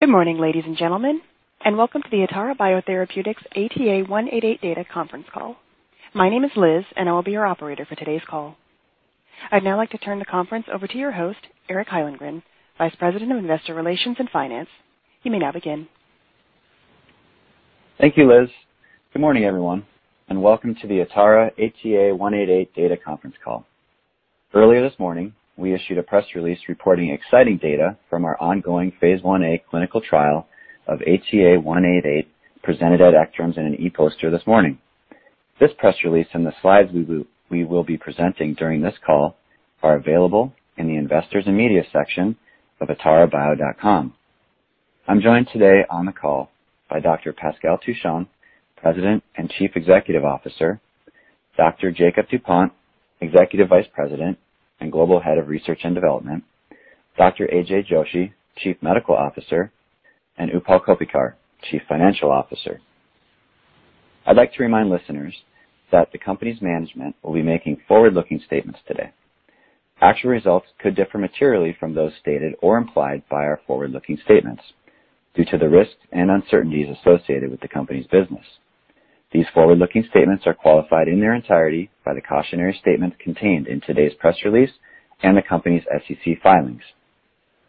Good morning, ladies and gentlemen, and welcome to the Atara Biotherapeutics ATA188 Data Conference Call. My name is Liz and I will be your operator for today's call. I'd now like to turn the conference over to your host, Eric Hyllengren, Vice President of Investor Relations and Finance. You may now begin. Thank you, Liz. Good morning, everyone, and welcome to the Atara ATA188 Data Conference Call. Earlier this morning, we issued a press release reporting exciting data from our ongoing phase I-A clinical trial of ATA188, presented at ACTRIMS in an e-poster this morning. This press release and the slides we will be presenting during this call are available in the Investors and Media section of atarabio.com. I'm joined today on the call by Dr. Pascal Touchon, President and Chief Executive Officer, Dr. Jakob Dupont, Executive Vice President and Global Head of Research and Development, Dr. AJ Joshi, Chief Medical Officer, and Utpal Koppikar, Chief Financial Officer. I'd like to remind listeners that the company's management will be making forward-looking statements today. Actual results could differ materially from those stated or implied by our forward-looking statements due to the risks and uncertainties associated with the company's business. These forward-looking statements are qualified in their entirety by the cautionary statements contained in today's press release and the company's SEC filings.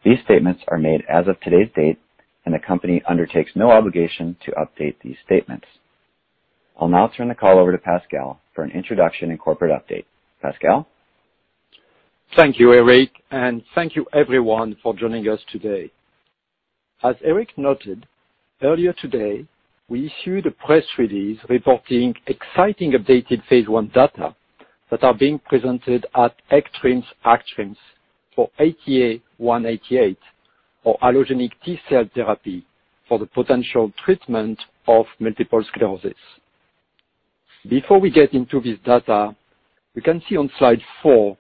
These statements are made as of today's date, and the company undertakes no obligation to update these statements. I'll now turn the call over to Pascal for an introduction and corporate update. Pascal? Thank you, Eric, and thank you everyone for joining us today. As Eric noted, earlier today, we issued a press release reporting exciting updated phase I data that are being presented at ACTRIMS for ATA188, or allogeneic T-cell therapy for the potential treatment of multiple sclerosis. Before we get into this data, we can see on slide four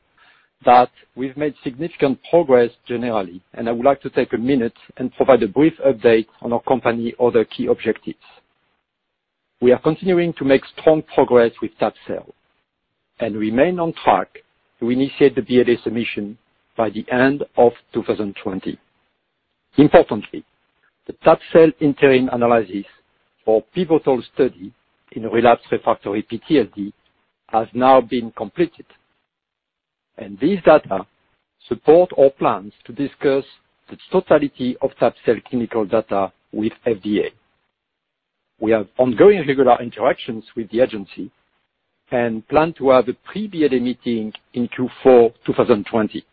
that we've made significant progress generally, and I would like to take a minute and provide a brief update on our company other key objectives. We are continuing to make strong progress with tabelecleucel and remain on track to initiate the BLA submission by the end of 2020. Importantly, the tabelecleucel interim analysis for pivotal study in relapsed refractory PTLD has now been completed, and these data support our plans to discuss the totality of tabelecleucel clinical data with FDA. We have ongoing regular interactions with the agency and plan to have a pre-BLA meeting in Q4 2020.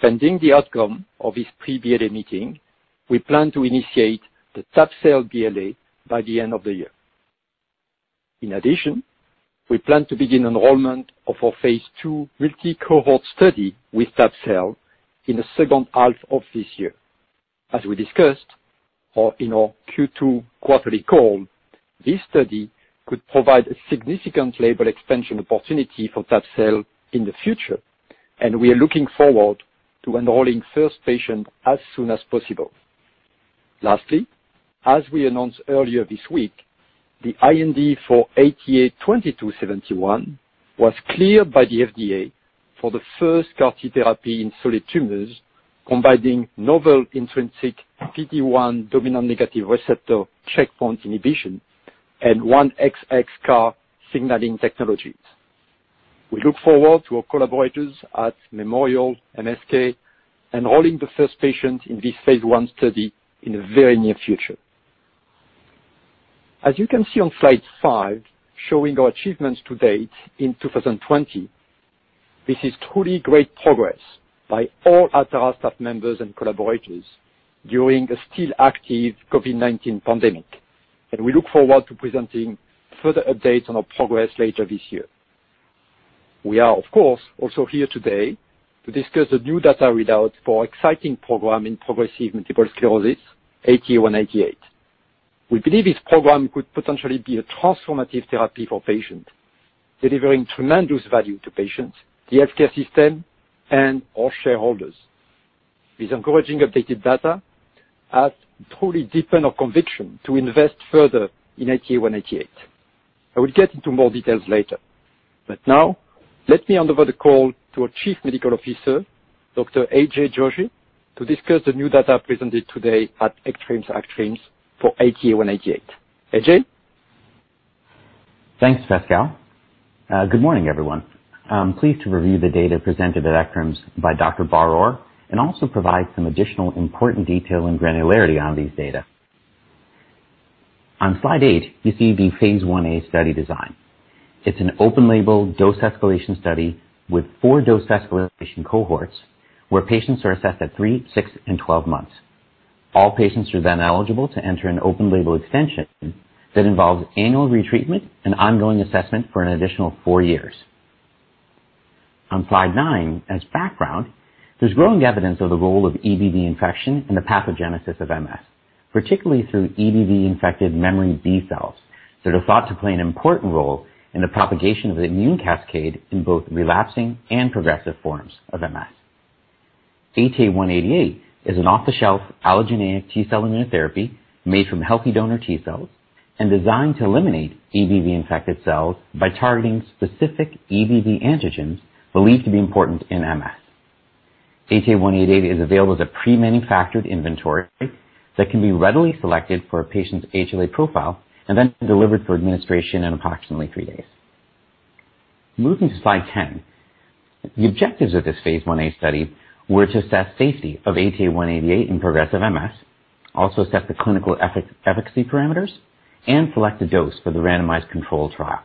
Pending the outcome of this pre-BLA meeting, we plan to initiate the tab cel BLA by the end of the year. In addition, we plan to begin enrollment of our Phase II multi-cohort study with tap cel in the second half of this year. As we discussed or in our Q2 quarterly call, this study could provide a significant label expansion opportunity for tap cel in the future, and we are looking forward to enrolling first patient as soon as possible. Lastly, as we announced earlier this week, the IND for ATA2271 was cleared by the FDA for the first CAR T therapy in solid tumors combining novel intrinsic PD-1 dominant negative receptor checkpoint inhibition and 1XX CAR signaling technologies. We look forward to our collaborators at Memorial MSK enrolling the first patient in this phase I study in the very near future. As you can see on slide five, showing our achievements to date in 2020, this is truly great progress by all Atara staff members and collaborators during a still active COVID-19 pandemic. We look forward to presenting further updates on our progress later this year. We are, of course, also here today to discuss the new data readouts for exciting program in progressive multiple sclerosis, ATA188. We believe this program could potentially be a transformative therapy for patients, delivering tremendous value to patients, the healthcare system, and all shareholders. This encouraging updated data has totally deepened our conviction to invest further in ATA188. I will get into more details later. Now, let me hand over the call to our Chief Medical Officer, Dr. AJ Joshi, to discuss the new data presented today at ACTRIMS for ATA188. AJ? Thanks, Pascal. Good morning, everyone. I'm pleased to review the data presented at ACTRIMS by Dr. Bar-Or and also provide some additional important detail and granularity on these data. On slide eight, you see the phase I-A study design. It's an open label dose escalation study with four dose escalation cohorts where patients are assessed at three, six and 12 months. All patients are then eligible to enter an open label extension that involves annual retreatment and ongoing assessment for an additional four years. On slide 9, as background, there's growing evidence of the role of EBV infection in the pathogenesis of MS, particularly through EBV-infected memory B cells that are thought to play an important role in the propagation of the immune cascade in both relapsing and progressive forms of MS. ATA188 is an off-the-shelf allogeneic T-cell immunotherapy made from healthy donor T-cells. Designed to eliminate EBV-infected cells by targeting specific EBV antigens believed to be important in MS. ATA188 is available as a pre-manufactured inventory that can be readily selected for a patient's HLA profile and then delivered for administration in approximately three days. Moving to slide 10. The objectives of this phase I-A study were to assess safety of ATA188 in progressive MS, also assess the clinical efficacy parameters, and select a dose for the randomized control trial.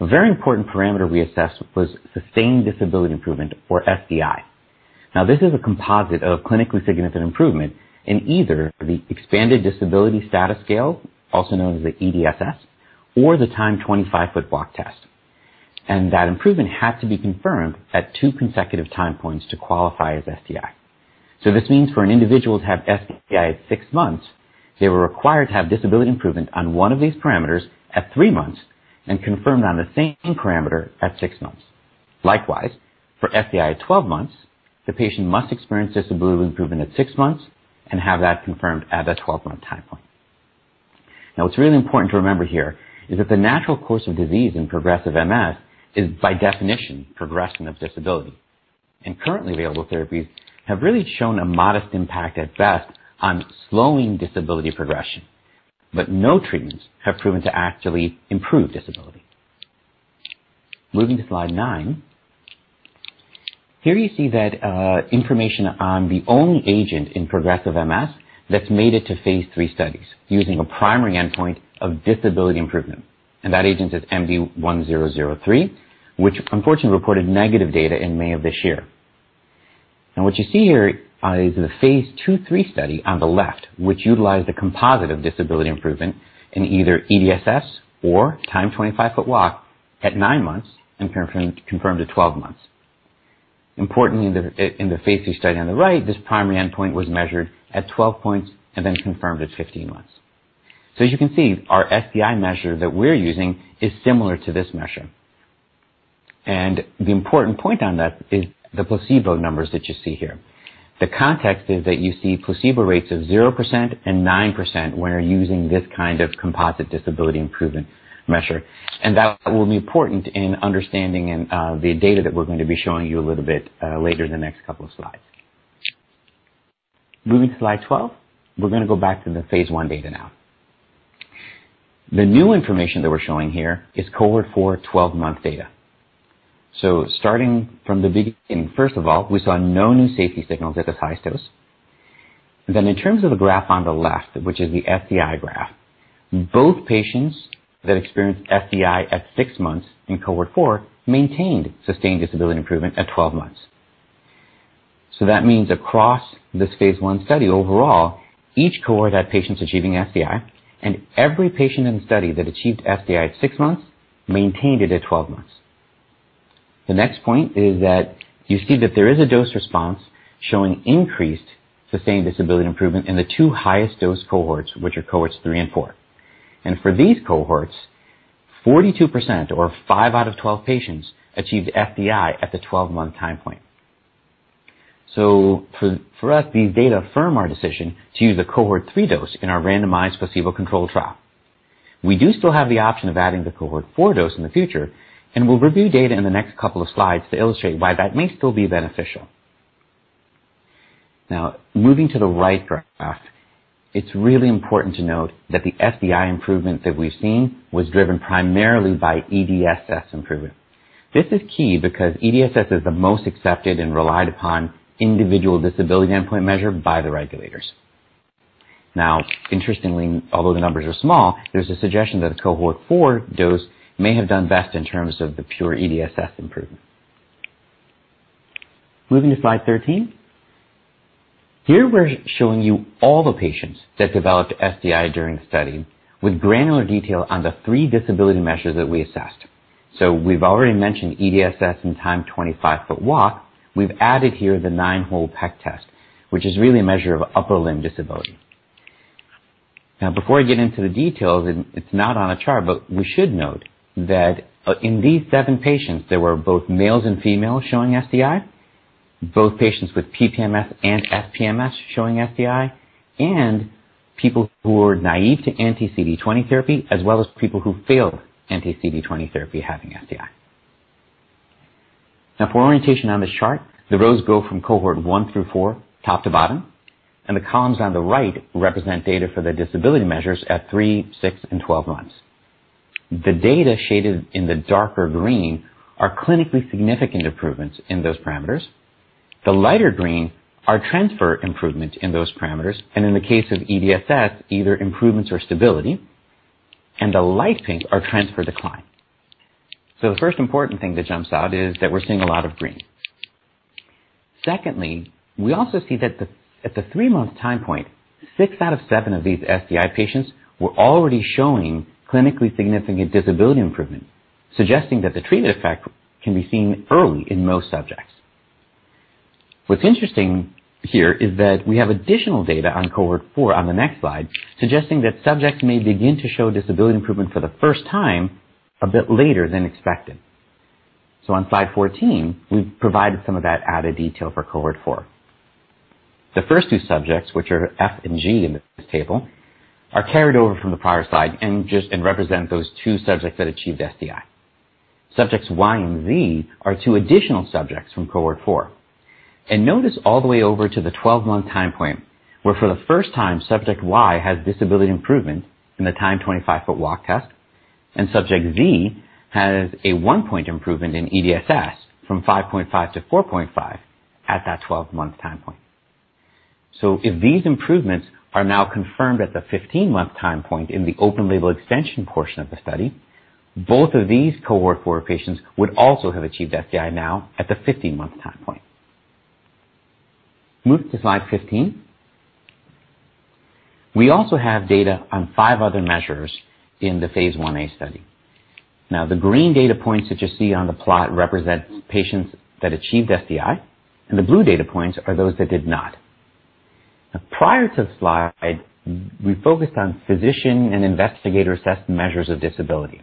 A very important parameter we assessed was sustained disability improvement, or SDI. This is a composite of clinically significant improvement in either the Expanded Disability Status Scale, also known as the EDSS, or the timed 25 Foot walk test. That improvement had to be confirmed at two consecutive time points to qualify as SDI. This means for an individual to have SDI at six months, they were required to have disability improvement on one of these parameters at three months and confirmed on the same parameter at six months. Likewise, for SDI at 12 months, the patient must experience disability improvement at six months and have that confirmed at the 12-month time point. What's really important to remember here is that the natural course of disease in progressive MS is by definition progression of disability, and currently available therapies have really shown a modest impact at best on slowing disability progression. No treatments have proven to actually improve disability. Moving to slide 9. Here you see that information on the only agent in progressive MS that's made it to phase III studies using a primary endpoint of disability improvement. That agent is MD1003, which unfortunately reported negative data in May of this year. What you see here is the phase II/III study on the left, which utilized a composite of disability improvement in either EDSS or timed 25 foot walk at 9 months and confirmed at 12 months. Importantly, in the phase II study on the right, this primary endpoint was measured at 12 points and then confirmed at 15 months. As you can see, our SDI measure that we're using is similar to this measure. The important point on that is the placebo numbers that you see here. The context is that you see placebo rates of 0% and 9% when you're using this kind of composite disability improvement measure. That will be important in understanding the data that we're going to be showing you a little bit later in the next couple of slides. Moving to slide 12, we're going to go back to the phase I data now. The new information that we're showing here is cohort 4 12-month data. Starting from the beginning, first of all, we saw no new safety signals at this highest dose. In terms of the graph on the left, which is the SDI graph, both patients that experienced SDI at six months in cohort 4 maintained sustained disability improvement at 12 months. That means across this phase I study overall, each cohort had patients achieving SDI, and every patient in the study that achieved SDI at six months maintained it at 12 months. The next point is that you see that there is a dose response showing increased sustained disability improvement in the two highest dose cohorts, which are cohorts 3 and 4. For these cohorts, 42% or five out of 12 patients achieved SDI at the 12-month time point. For us, these data affirm our decision to use a cohort 3 dose in our randomized placebo-controlled trial. We do still have the option of adding the cohort 4 dose in the future, and we'll review data in the next couple of slides to illustrate why that may still be beneficial. Moving to the right graph, it's really important to note that the SDI improvement that we've seen was driven primarily by EDSS improvement. This is key because EDSS is the most accepted and relied upon individual disability endpoint measure by the regulators. Interestingly, although the numbers are small, there's a suggestion that the cohort four dose may have done best in terms of the pure EDSS improvement. Moving to slide 13. Here, we're showing you all the patients that developed SDI during the study with granular detail on the three disability measures that we assessed. We've already mentioned EDSS and timed 25 foot walk. We've added here the 9 hole peg test, which is really a measure of upper limb disability. Before I get into the details, and it's not on a chart, but we should note that in these seven patients, there were both males and females showing SDI, both patients with PPMS and SPMS showing SDI, and people who were naive to anti-CD20 therapy, as well as people who failed anti-CD20 therapy having SDI. For orientation on this chart, the rows go from cohort 1 through 4, top to bottom, and the columns on the right represent data for the disability measures at three, six, and 12 months. The data shaded in the darker green are clinically significant improvements in those parameters. The lighter green are transient improvements in those parameters, and in the case of EDSS, either improvements or stability. The light pink are transient decline. The first important thing that jumps out is that we're seeing a lot of green. Secondly, we also see that at the three-month time point, six out of seven of these SDI patients were already showing clinically significant disability improvement, suggesting that the treatment effect can be seen early in most subjects. What's interesting here is that we have additional data on cohort 4 on the next slide suggesting that subjects may begin to show disability improvement for the first time a bit later than expected. On slide 14, we've provided some of that added detail for cohort 4. The first two subjects, which are F and G in this table, are carried over from the prior slide and represent those two subjects that achieved SDI. Subjects Y and Z are two additional subjects from cohort 4. Notice all the way over to the 12-month time point, where for the first time, subject Y has disability improvement in the timed 25 foot walk test, and subject Z has a 1-point improvement in EDSS from 5.5-4.5 at that 12-month time point. If these improvements are now confirmed at the 15-month time point in the open label extension portion of the study, both of these cohort 4 patients would also have achieved SDI now at the 15-month time point. Move to slide 15. We also have data on five other measures in the phase I-A study. Now, the green data points that you see on the plot represent patients that achieved SDI, and the blue data points are those that did not. Now, prior to this slide, we focused on physician and investigator-assessed measures of disability.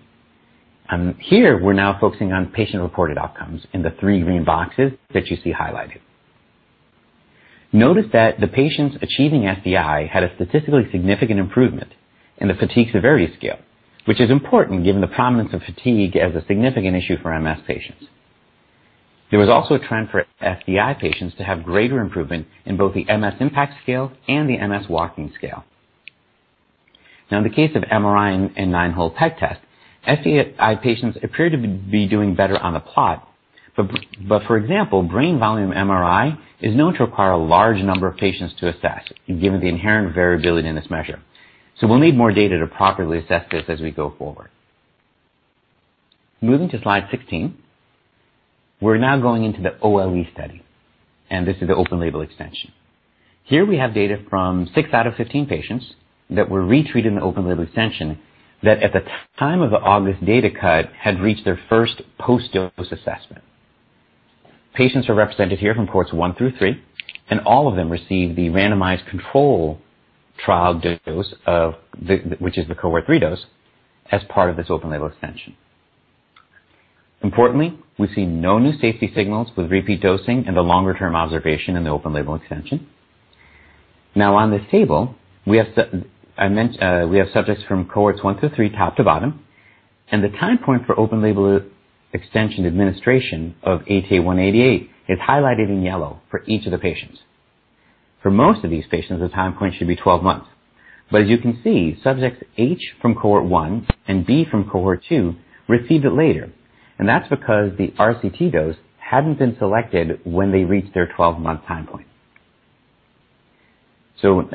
Here, we're now focusing on patient-reported outcomes in the three green boxes that you see highlighted. Notice that the patients achieving SDI had a statistically significant improvement in the Fatigue Severity Scale, which is important given the prominence of fatigue as a significant issue for MS patients. There was also a trend for SDI patients to have greater improvement in both the Multiple Sclerosis Impact Scale and the Multiple Sclerosis Walking Scale. In the case of MRI and 9 hole peg test, SDI patients appear to be doing better on the plot. For example, brain volume MRI is known to require a large number of patients to assess, given the inherent variability in this measure. We'll need more data to properly assess this as we go forward. Moving to slide 16, we're now going into the OLE study, and this is the open label extension. Here we have data from six out of 15 patients that were retreated in the open label extension that at the time of the August data cut, had reached their first post-dose assessment. Patients are represented here from cohorts 1 through 3. All of them received the randomized control trial dose, which is the cohort 3 dose, as part of this open-label extension. Importantly, we see no new safety signals with repeat dosing and the longer-term observation in the open-label extension. On this table, we have subjects from cohorts 1 through 3, top to bottom, and the time point for open-label extension administration of ATA188 is highlighted in yellow for each of the patients. For most of these patients, the time point should be 12 months. As you can see, subjects H from cohort 1 and B from cohort 2 received it later, and that's because the RCT dose hadn't been selected when they reached their 12-month time point.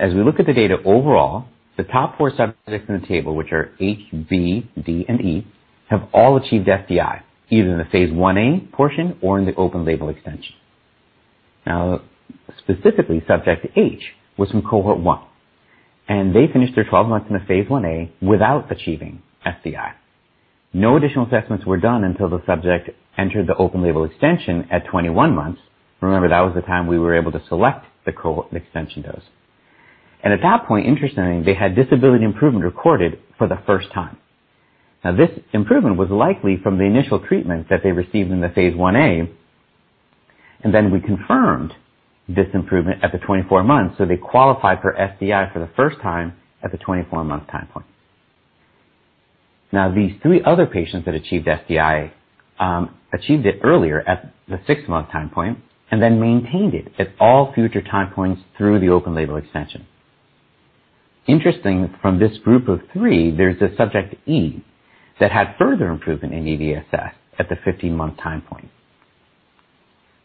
As we look at the data overall, the top four subjects in the table, which are H, B, D, and E, have all achieved SDI, either in the phase I-A portion or in the open-label extension. Specifically, subject H was from cohort 1, and they finished their 12 months in the phase I-A without achieving SDI. No additional assessments were done until the subject entered the open-label extension at 21 months. Remember, that was the time we were able to select the cohort extension dose. At that point, interestingly, they had disability improvement recorded for the first time. This improvement was likely from the initial treatment that they received in the phase I-A, we confirmed this improvement at the 24 months. They qualified for SDI for the first time at the 24-month time point. These three other patients that achieved SDI achieved it earlier at the six-month time point and then maintained it at all future time points through the open label extension. Interesting from this group of three, there's a subject E that had further improvement in EDSS at the 15-month time point.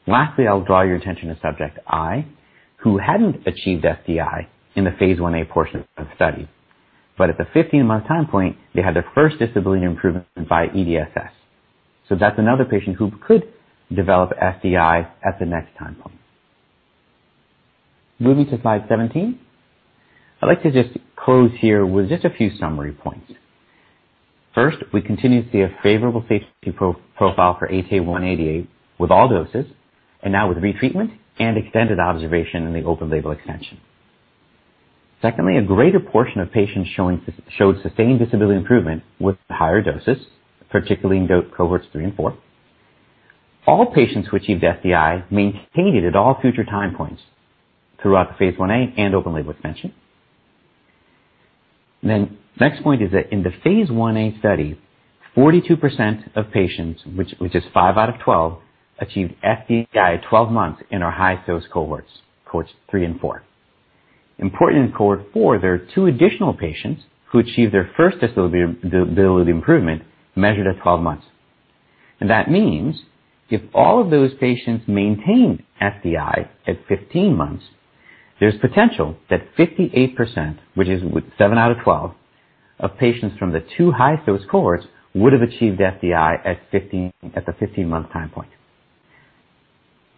Lastly, I'll draw your attention to subject I, who hadn't achieved SDI in the Phase 1a portion of the study. At the 15-month time point, they had their first disability improvement by EDSS. That's another patient who could develop SDI at the next time point. Moving to slide 17. I'd like to just close here with just a few summary points. First, we continue to see a favorable safety profile for ATA188 with all doses and now with retreatment and extended observation in the open label extension. Secondly, a greater portion of patients showed sustained disability improvement with higher doses, particularly in cohorts 3 and 4. All patients who achieved SDI maintained it at all future time points throughout the phase I-A and open label extension. Next point is that in the phase I-A study, 42% of patients, which is 5 out of 12, achieved SDI at 12 months in our high-dose cohorts 3 and 4. Important in cohort 4, there are two additional patients who achieved their first disability improvement measured at 12 months. That means if all of those patients maintain SDI at 15 months, there's potential that 58%, which is 7 out of 12, of patients from the 2 high-dose cohorts would have achieved SDI at the 15-month time point.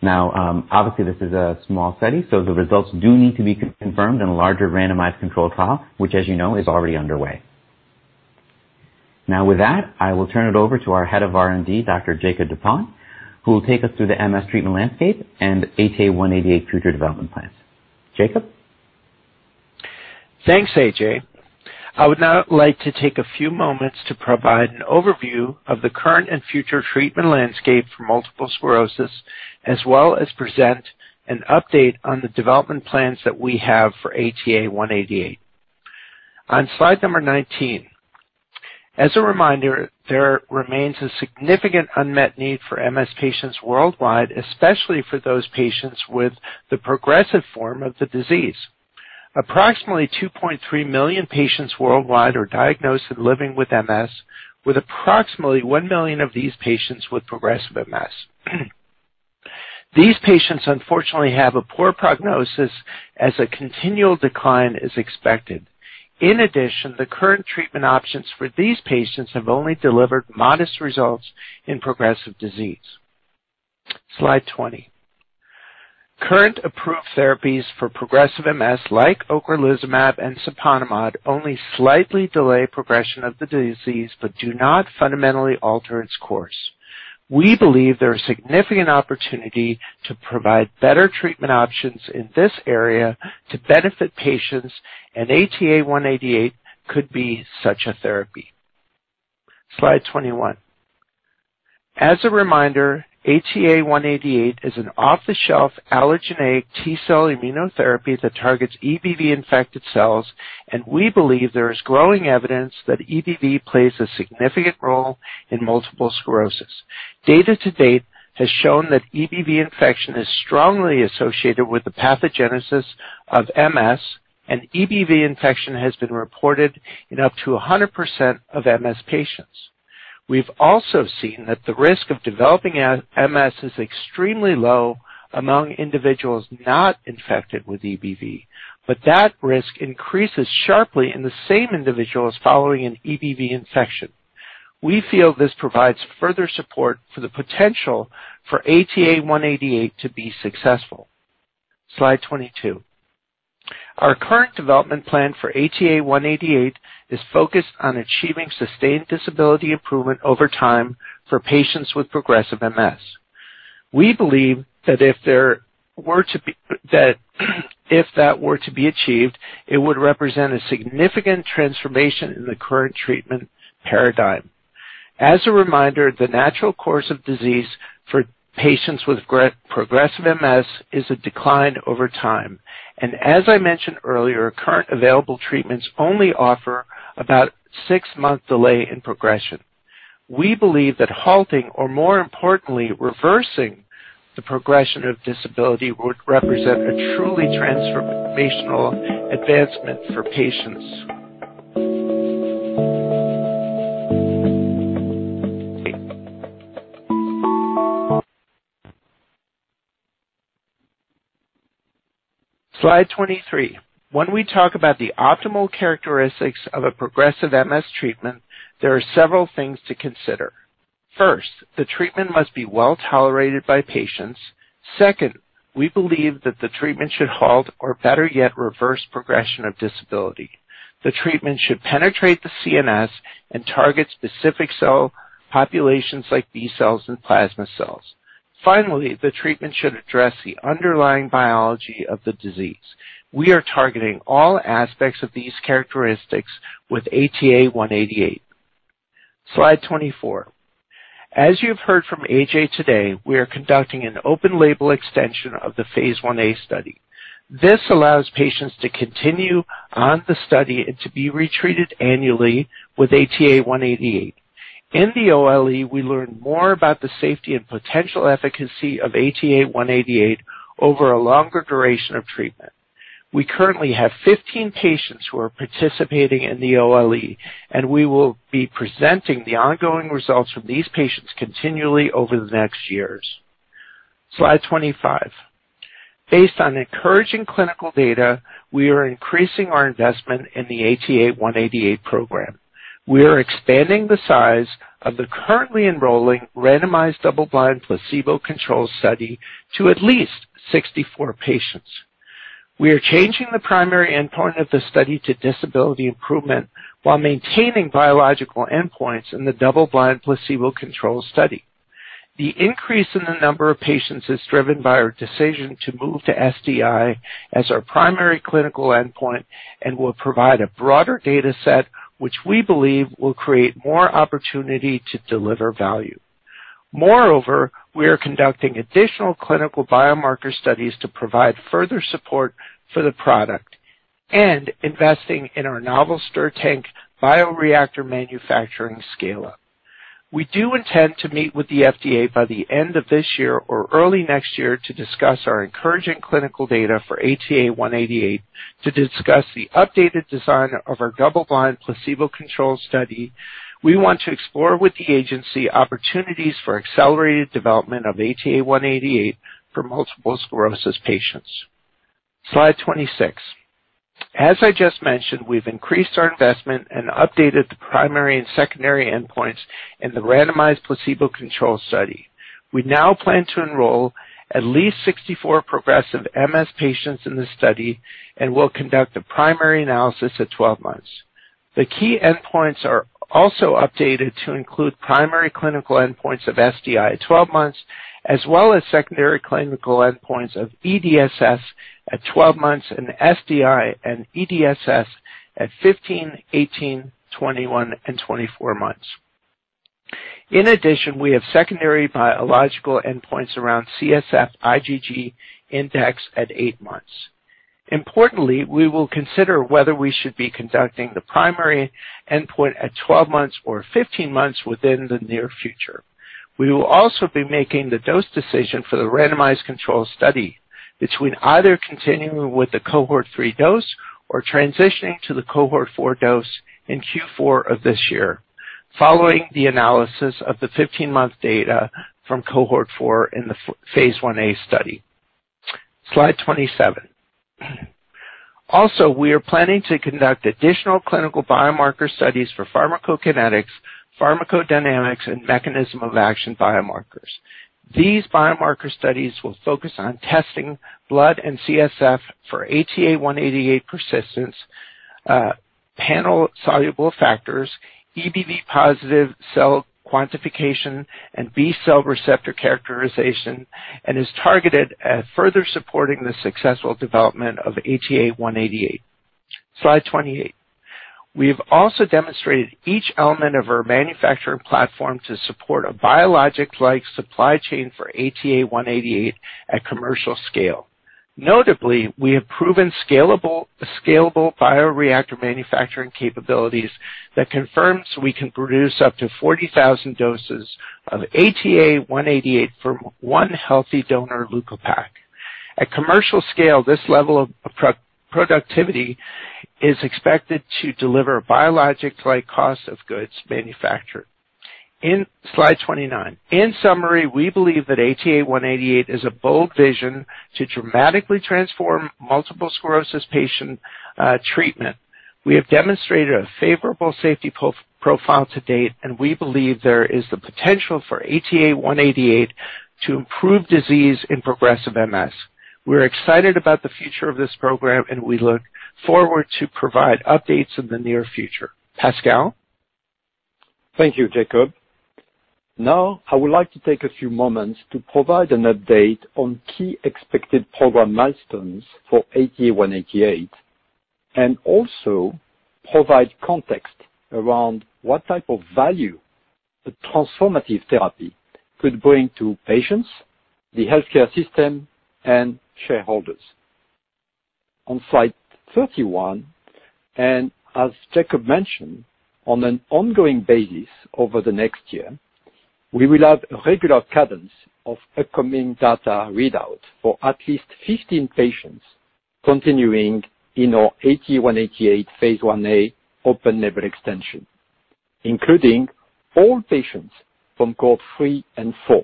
Obviously, this is a small study, the results do need to be confirmed in a larger randomized control trial, which as you know, is already underway. With that, I will turn it over to our head of R&D, Dr. Jakob Dupont, who will take us through the MS treatment landscape and ATA188 future development plans. Jakob? Thanks, AJ. I would now like to take a few moments to provide an overview of the current and future treatment landscape for multiple sclerosis, as well as present an update on the development plans that we have for ATA188. On slide number 19. As a reminder, there remains a significant unmet need for MS patients worldwide, especially for those patients with the progressive form of the disease. Approximately 2.3 million patients worldwide are diagnosed and living with MS, with approximately 1 million of these patients with progressive MS. These patients, unfortunately, have a poor prognosis as a continual decline is expected. The current treatment options for these patients have only delivered modest results in progressive disease. Slide 20. Current approved therapies for progressive MS, like ocrelizumab and siponimod, only slightly delay progression of the disease but do not fundamentally alter its course. We believe there is significant opportunity to provide better treatment options in this area to benefit patients. ATA188 could be such a therapy. Slide 21. As a reminder, ATA188 is an off-the-shelf allogeneic T-cell immunotherapy that targets EBV-infected cells, and we believe there is growing evidence that EBV plays a significant role in multiple sclerosis. Data to date has shown that EBV infection is strongly associated with the pathogenesis of MS, and EBV infection has been reported in up to 100% of MS patients. We've also seen that the risk of developing MS is extremely low among individuals not infected with EBV, but that risk increases sharply in the same individuals following an EBV infection. We feel this provides further support for the potential for ATA188 to be successful. Slide 22. Our current development plan for ATA188 is focused on achieving sustained disability improvement over time for patients with progressive MS. We believe that if that were to be achieved, it would represent a significant transformation in the current treatment paradigm. As a reminder, the natural course of disease for patients with progressive MS is a decline over time. As I mentioned earlier, current available treatments only offer about six-month delay in progression. We believe that halting or, more importantly, reversing the progression of disability would represent a truly transformational advancement for patients. Slide 23. When we talk about the optimal characteristics of a progressive MS treatment, there are several things to consider. First, the treatment must be well-tolerated by patients. Second, we believe that the treatment should halt or, better yet, reverse progression of disability. The treatment should penetrate the CNS and target specific cell populations like B cells and plasma cells. Finally, the treatment should address the underlying biology of the disease. We are targeting all aspects of these characteristics with ATA188. Slide 24. As you've heard from AJ today, we are conducting an open label extension of the phase I-A study. This allows patients to continue on the study and to be retreated annually with ATA188. In the OLE, we learn more about the safety and potential efficacy of ATA188 over a longer duration of treatment. We currently have 15 patients who are participating in the OLE, and we will be presenting the ongoing results from these patients continually over the next years. Slide 25. Based on encouraging clinical data, we are increasing our investment in the ATA188 program. We are expanding the size of the currently enrolling randomized double-blind placebo-controlled study to at least 64 patients. We are changing the primary endpoint of the study to disability improvement while maintaining biological endpoints in the double-blind placebo-controlled study. The increase in the number of patients is driven by our decision to move to SDI as our primary clinical endpoint and will provide a broader data set, which we believe will create more opportunity to deliver value. Moreover, we are conducting additional clinical biomarker studies to provide further support for the product and investing in our novel stirred-tank bioreactor manufacturing scale-up. We do intend to meet with the FDA by the end of this year or early next year to discuss our encouraging clinical data for ATA188 to discuss the updated design of our double-blind placebo-controlled study. We want to explore with the agency opportunities for accelerated development of ATA188 for multiple sclerosis patients. Slide 26. As I just mentioned, we've increased our investment and updated the primary and secondary endpoints in the randomized placebo-controlled study. We now plan to enroll at least 64 progressive MS patients in the study and will conduct a primary analysis at 12 months. The key endpoints are also updated to include primary clinical endpoints of SDI at 12 months, as well as secondary clinical endpoints of EDSS at 12 months and SDI and EDSS at 15, 18, 21, and 24 months. In addition, we have secondary biological endpoints around CSF IgG index at eight months. Importantly, we will consider whether we should be conducting the primary endpoint at 12 months or 15 months within the near future. We will also be making the dose decision for the randomized control study between either continuing with the cohort 3 dose or transitioning to the cohort 4 dose in Q4 of this year, following the analysis of the 15-month data from cohort 4 in the phase I-A study. Slide 27. Also, we are planning to conduct additional clinical biomarker studies for pharmacokinetics, pharmacodynamics, and mechanism of action biomarkers. These biomarker studies will focus on testing blood and CSF for ATA188 persistence, panel soluble factors, EBV-positive cell quantification, and B-cell receptor characterization, and is targeted at further supporting the successful development of ATA188. Slide 28. We have also demonstrated each element of our manufacturing platform to support a biologic-like supply chain for ATA188 at commercial scale. Notably, we have proven scalable bioreactor manufacturing capabilities that confirms we can produce up to 40,000 doses of ATA188 from one healthy donor leukapheresis. At commercial scale, this level of productivity is expected to deliver a biologic-like cost of goods manufactured. Slide 29. In summary, we believe that ATA188 is a bold vision to dramatically transform multiple sclerosis patient treatment. We have demonstrated a favorable safety profile to date, we believe there is the potential for ATA188 to improve disease in progressive MS. We're excited about the future of this program, we look forward to provide updates in the near future. Pascal? Thank you, Jakob. I would like to take a few moments to provide an update on key expected program milestones for ATA188 and also provide context around what type of value a transformative therapy could bring to patients, the healthcare system, and shareholders. On Slide 31, as Jakob mentioned, on an ongoing basis over the next year, we will have a regular cadence of upcoming data readouts for at least 15 patients continuing in our ATA188 phase I-A open-label extension, including all patients from cohort 3 and 4.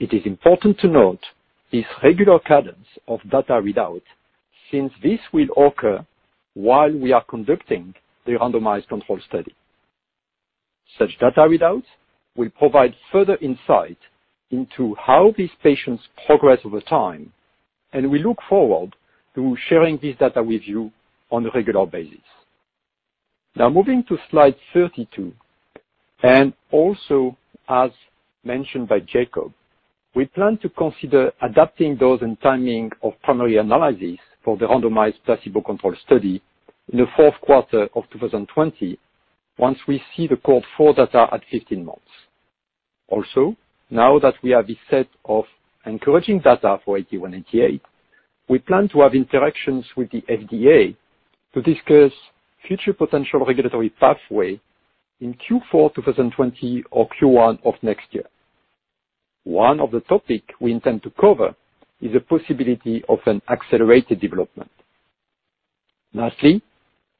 It is important to note this regular cadence of data readouts since this will occur while we are conducting the randomized control study. Such data readouts will provide further insight into how these patients progress over time, we look forward to sharing this data with you on a regular basis. Moving to Slide 32, and also as mentioned by Jakob, we plan to consider adapting those in timing of primary analysis for the randomized placebo-controlled study in the fourth quarter of 2020 once we see the cohort 4 data at 15 months. Now that we have a set of encouraging data for ATA188, we plan to have interactions with the FDA to discuss future potential regulatory pathway in Q4 2020 or Q1 of next year. One of the topic we intend to cover is the possibility of an accelerated development.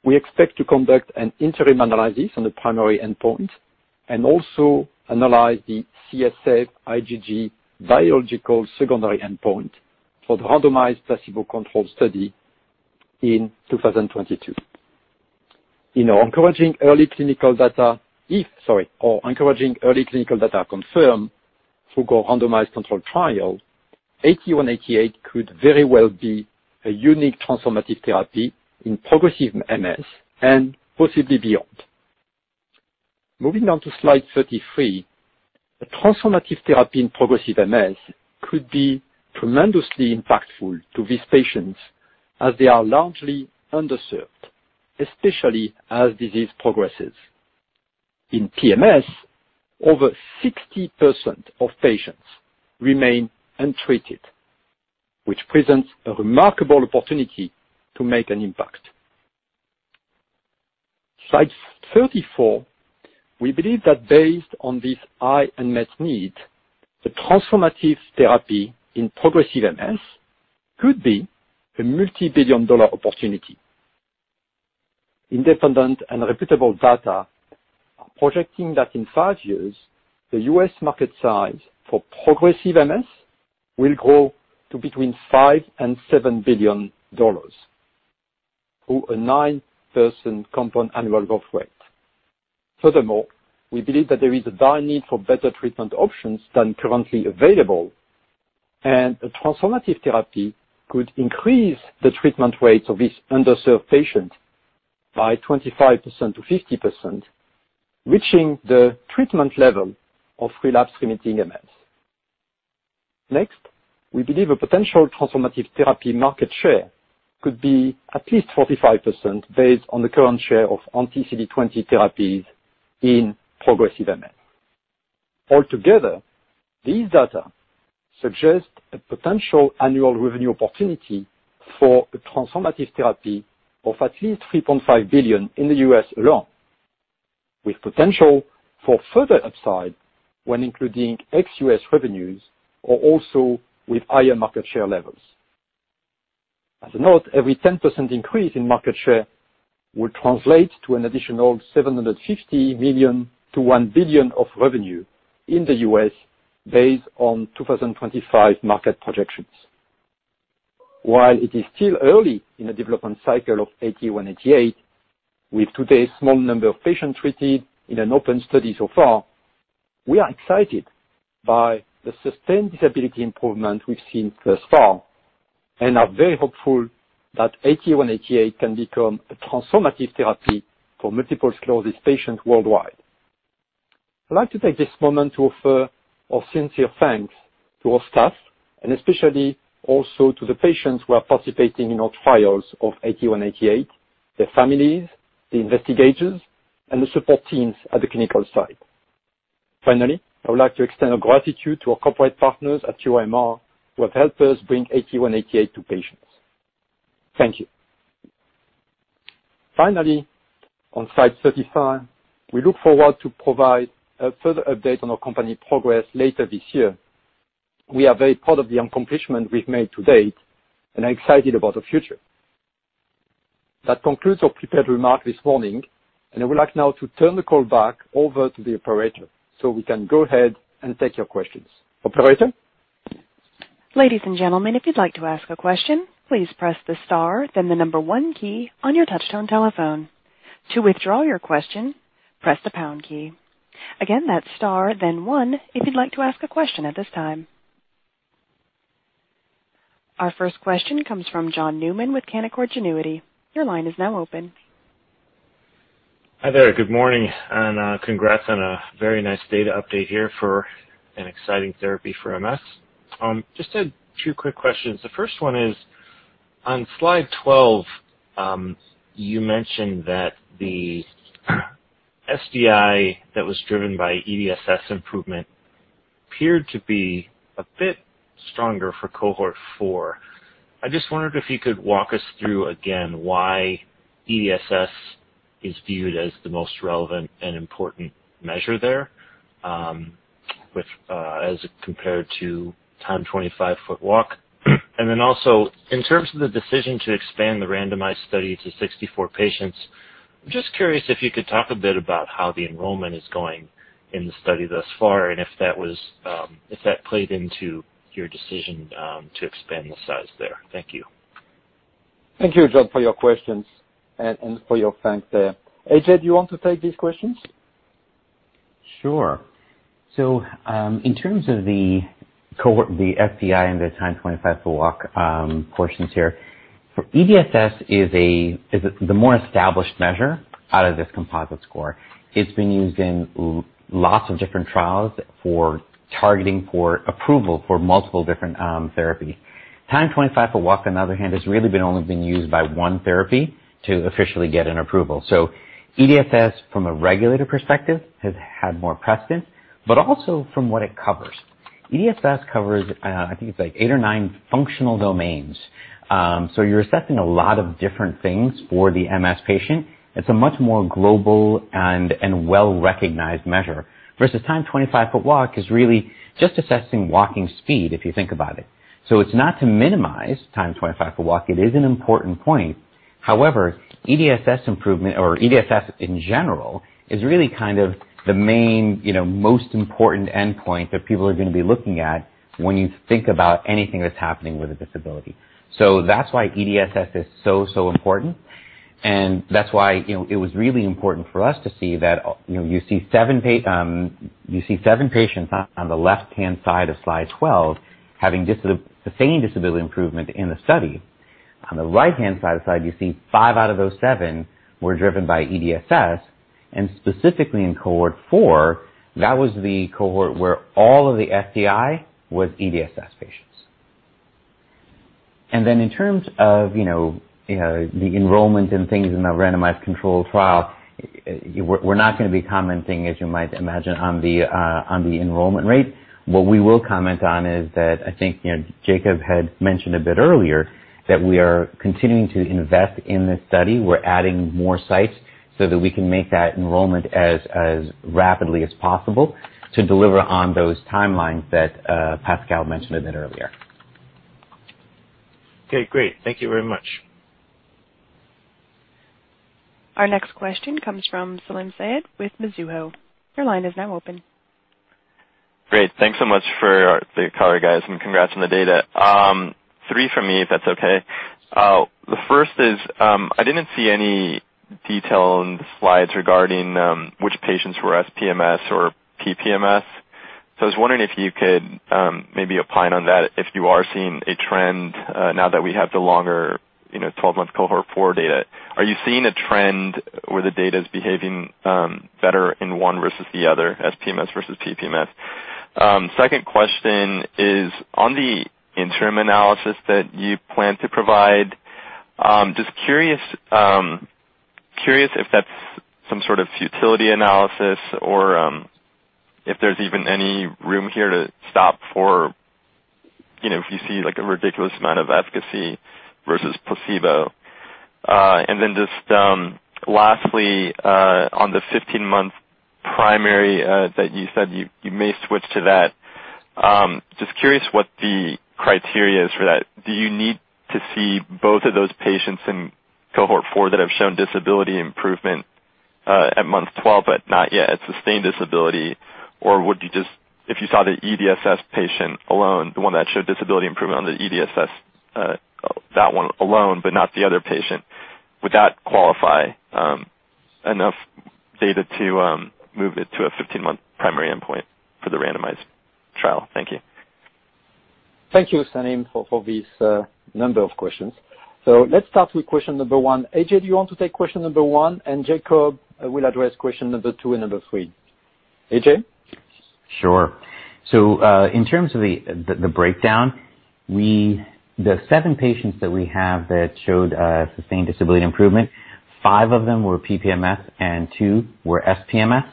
We expect to conduct an interim analysis on the primary endpoint and also analyze the CSF IgG biological secondary endpoint for the randomized placebo-controlled study in 2022. If our encouraging early clinical data are confirmed through our randomized controlled trial, ATA188 could very well be a unique transformative therapy in progressive MS and possibly beyond. Moving on to Slide 33. A transformative therapy in progressive MS could be tremendously impactful to these patients as they are largely underserved, especially as disease progresses. In PMS, over 60% of patients remain untreated, which presents a remarkable opportunity to make an impact. Slide 34. We believe that based on this high unmet need, the transformative therapy in progressive MS could be a multi-billion dollar opportunity. Independent and reputable data are projecting that in five years, the U.S. market size for progressive MS will grow to between $5 billion and $7 billion, through a 9% compound annual growth rate. We believe that there is a dire need for better treatment options than currently available, and a transformative therapy could increase the treatment rates of these underserved patients by 25%-50%, reaching the treatment level of relapse remitting MS. Next, we believe a potential transformative therapy market share could be at least 45% based on the current share of anti-CD20 therapies in progressive MS. Altogether, these data suggest a potential annual revenue opportunity for a transformative therapy of at least $3.5 billion in the U.S. alone, with potential for further upside when including ex-U.S. revenues or also with higher market share levels. As a note, every 10% increase in market share would translate to an additional $750 million-$1 billion of revenue in the U.S. based on 2025 market projections. While it is still early in the development cycle of ATA188, with today's small number of patients treated in an open study so far, we are excited by the sustained disability improvement we've seen thus far and are very hopeful that ATA188 can become a transformative therapy for multiple sclerosis patients worldwide. I'd like to take this moment to offer our sincere thanks to our staff and especially also to the patients who are participating in our trials of ATA188, their families, the investigators, and the support teams at the clinical site. Finally, I would like to extend our gratitude to our corporate partners at QIMR who have helped us bring ATA188 to patients. Thank you. Finally, on slide 35, we look forward to provide a further update on our company progress later this year. We are very proud of the accomplishment we've made to date and are excited about the future. That concludes our prepared remarks this morning, and I would like now to turn the call back over to the operator so we can go ahead and take your questions. Operator? Ladies and gentlemen, if you'd like to ask a question, please press the star, then the number one key on your touchtone telephone. To withdraw your question, press the pound key. Again, that's star, then one if you'd like to ask a question at this time. Our first question comes from John Newman with Canaccord Genuity. Your line is now open. Hi there. Good morning. Congrats on a very nice data update here for an exciting therapy for MS. Just a few quick questions. The first one is on slide 12, you mentioned that the SDI that was driven by EDSS improvement appeared to be a bit stronger for cohort 4. I just wondered if you could walk us through again why EDSS is viewed as the most relevant and important measure there, as compared to timed 25 foot walk. Also, in terms of the decision to expand the randomized study to 64 patients, I'm just curious if you could talk a bit about how the enrollment is going in the study thus far, and if that played into your decision to expand the size there. Thank you. Thank you, John, for your questions and for your thanks there. AJ, do you want to take these questions? Sure. In terms of the cohort, the SDI and the timed 25 foot walk portions here, EDSS is the more established measure out of this composite score. It's been used in lots of different trials for targeting for approval for multiple different therapies. Timed 25 foot walk, on the other hand, has really only been used by one therapy to officially get an approval. EDSS, from a regulatory perspective, has had more precedent, but also from what it covers. EDSS covers, I think it's eight or nine functional domains. You're assessing a lot of different things for the MS patient. It's a much more global and well-recognized measure, versus timed 25 foot walk is really just assessing walking speed, if you think about it. It's not to minimize timed 25 foot walk. It is an important point. However, EDSS improvement or EDSS in general is really the main most important endpoint that people are going to be looking at when you think about anything that's happening with a disability. That's why EDSS is so important, and that's why it was really important for us to see that you see seven patients on the left-hand side of slide 12 having sustained disability improvement in the study. On the right-hand side, you see five out of those seven were driven by EDSS, and specifically in cohort 4, that was the cohort where all of the SDI was EDSS patients. In terms of the enrollment and things in the randomized controlled trial, we're not going to be commenting, as you might imagine, on the enrollment rate. What we will comment on is that I think Jakob had mentioned a bit earlier that we are continuing to invest in this study. We're adding more sites so that we can make that enrollment as rapidly as possible to deliver on those timelines that Pascal mentioned a bit earlier. Okay, great. Thank you very much. Our next question comes from Salim Syed with Mizuho. Your line is now open. Great. Thanks so much for the call, guys, congrats on the data. Three from me, if that's okay. The first is, I didn't see any detail in the slides regarding which patients were SPMS or PPMS. I was wondering if you could maybe opine on that if you are seeing a trend now that we have the longer 12-month cohort 4 data. Are you seeing a trend where the data is behaving better in one versus the other, SPMS versus PPMS? Second question is on the interim analysis that you plan to provide. Just curious if that's some sort of futility analysis or if there's even any room here to stop for if you see a ridiculous amount of efficacy versus placebo. Just lastly, on the 15-month primary that you said you may switch to that. Just curious what the criteria is for that. Do you need to see both of those patients in cohort 4 that have shown disability improvement at month 12 but not yet at sustained disability? Would you just, if you saw the EDSS patient alone, the one that showed disability improvement on the EDSS, that one alone but not the other patient, would that qualify enough data to move it to a 15-month primary endpoint for the randomized trial? Thank you. Thank you, Salim, for these number of questions. Let's start with question number 1. AJ, do you want to take question number 1? Jakob will address question number 2 and number 3. AJ? Sure. In terms of the breakdown, the seven patients that we have that showed a sustained disability improvement, five of them were PPMS and two were SPMS.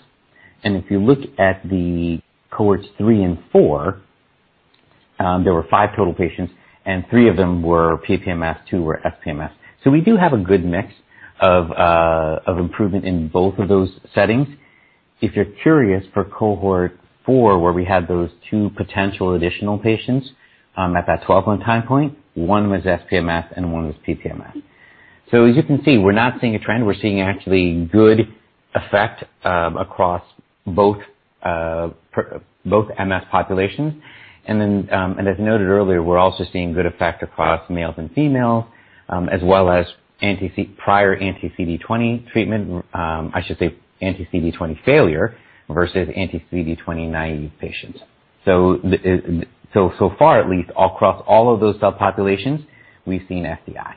If you look at the cohorts 3 and 4, there were five total patients, and three of them were PPMS, two were SPMS. We do have a good mix of improvement in both of those settings. If you're curious, for cohort 4, where we had those two potential additional patients at that 12-month time point, one was SPMS and one was PPMS. As you can see, we're not seeing a trend. We're seeing actually good effect across both MS populations. As noted earlier, we're also seeing good effect across males and females as well as prior anti-CD20 treatment. I should say anti-CD20 failure versus anti-CD20 naive patients. Far at least, across all of those subpopulations, we've seen SDI.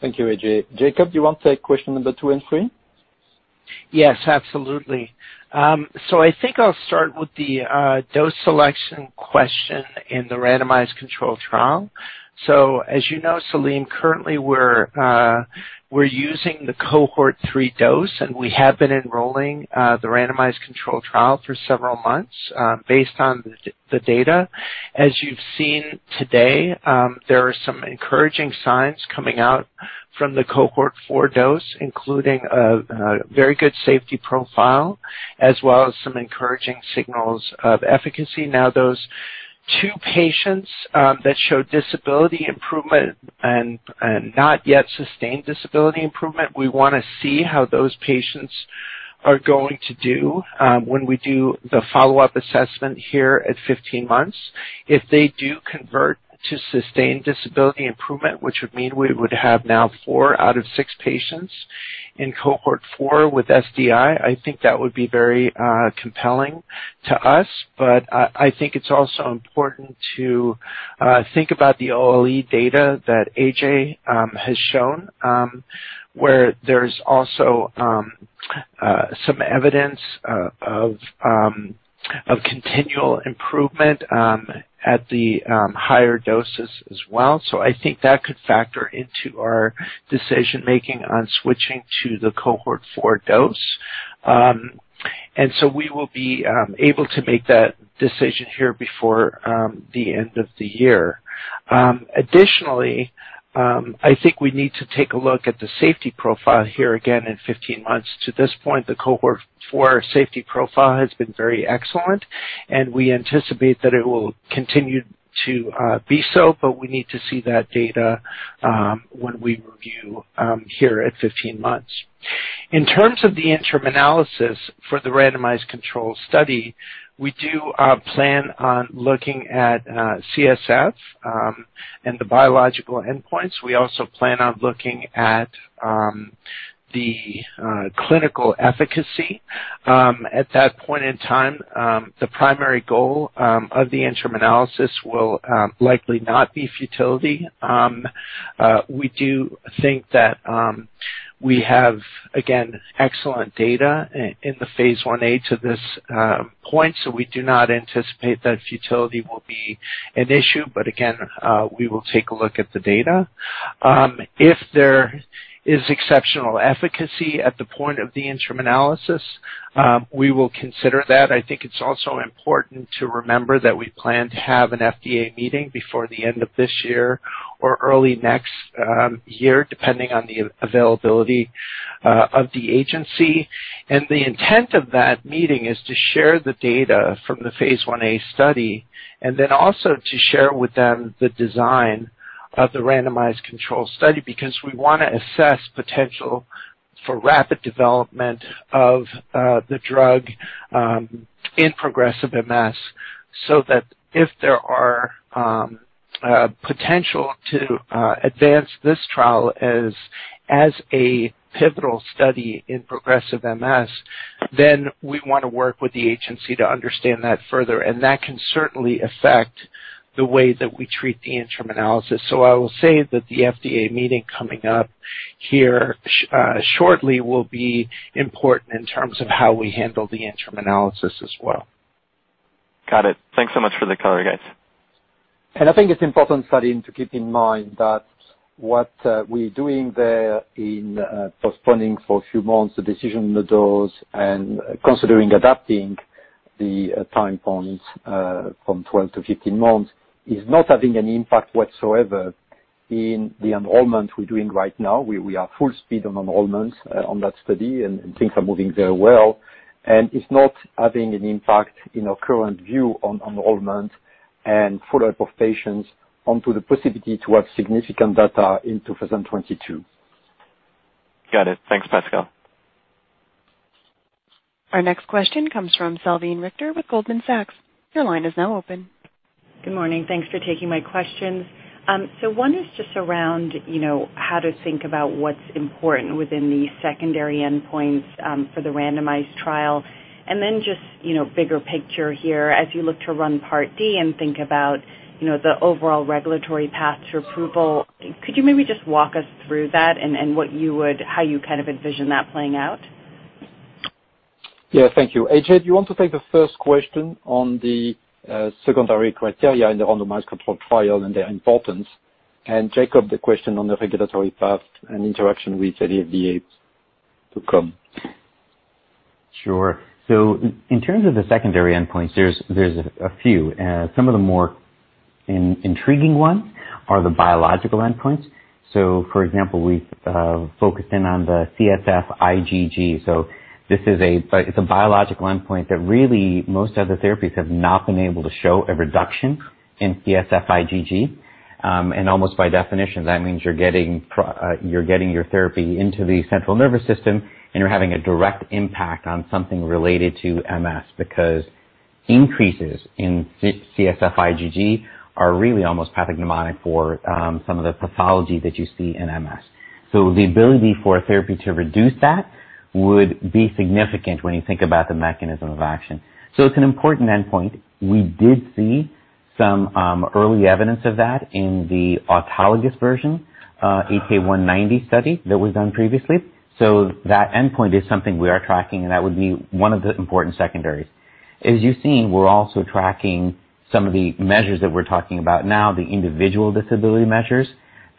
Thank you, AJ. Jakob, do you want to take question number 2 and 3? Yes, absolutely. I think I'll start with the dose selection question in the randomized control trial. As you know, Salim, currently we're using the cohort 3 dose, and we have been enrolling the randomized control trial for several months based on the data. As you've seen today, there are some encouraging signs coming out from the cohort 4 dose, including a very good safety profile, as well as some encouraging signals of efficacy. Those two patients that showed disability improvement and not yet sustained disability improvement, we want to see how those patients are going to do when we do the follow-up assessment here at 15 months. If they do convert to sustained disability improvement, which would mean we would have now four out of six patients in cohort 4 with SDI, I think that would be very compelling to us. I think it's also important to think about the OLE data that AJ has shown, where there's also some evidence of continual improvement at the higher doses as well. I think that could factor into our decision-making on switching to the cohort 4 dose. We will be able to make that decision here before the end of the year. Additionally, I think we need to take a look at the safety profile here again in 15 months. To this point, the cohort 4 safety profile has been very excellent, and we anticipate that it will continue to be so. We need to see that data when we review here at 15 months. In terms of the interim analysis for the randomized control study, we do plan on looking at CSF and the biological endpoints. We also plan on looking at the clinical efficacy. At that point in time, the primary goal of the interim analysis will likely not be futility. We do think that we have, again, excellent data in the phase I-A to this point, so we do not anticipate that futility will be an issue. Again, we will take a look at the data. If there is exceptional efficacy at the point of the interim analysis, we will consider that. I think it's also important to remember that we plan to have an FDA meeting before the end of this year or early next year, depending on the availability of the agency. The intent of that meeting is to share the data from the phase I-A study and then also to share with them the design of the randomized control study, because we want to assess potential for rapid development of the drug in progressive MS, so that if there are potential to advance this trial as a pivotal study in progressive MS, then we want to work with the agency to understand that further, and that can certainly affect the way that we treat the interim analysis. I will say that the FDA meeting coming up here shortly will be important in terms of how we handle the interim analysis as well. Got it. Thanks so much for the color, guys. I think it's important, Salim, to keep in mind that what we're doing there in postponing for a few months the decision on the dose and considering adapting the time points from 12 to 15 months is not having an impact whatsoever in the enrollment we're doing right now. We are full speed on enrollment on that study, and things are moving very well. It's not having an impact in our current view on enrollment and follow-up of patients onto the possibility to have significant data in 2022. Got it. Thanks, Pascal. Our next question comes from Salveen Richter with Goldman Sachs. Your line is now open. Good morning. Thanks for taking my questions. One is just around how to think about what's important within the secondary endpoints for the randomized trial, just bigger picture here, as you look to run part D and think about the overall regulatory path to approval, could you maybe just walk us through that and how you envision that playing out? Yeah, thank you. AJ, do you want to take the first question on the secondary criteria in the randomized controlled trial and their importance? Jakob, the question on the regulatory path and interaction with the FDA to come. Sure. In terms of the secondary endpoints, there's a few. Some of the more intriguing ones are the biological endpoints. For example, we've focused in on the CSF IgG. It's a biological endpoint that really most other therapies have not been able to show a reduction in CSF IgG. Almost by definition, that means you're getting your therapy into the central nervous system, and you're having a direct impact on something related to MS, because increases in CSF IgG are really almost pathognomonic for some of the pathology that you see in MS. The ability for a therapy to reduce that would be significant when you think about the mechanism of action. It's an important endpoint. We did see some early evidence of that in the autologous version, ATA190 study that was done previously. That endpoint is something we are tracking, and that would be one of the important secondaries. As you've seen, we're also tracking some of the measures that we're talking about now, the individual disability measures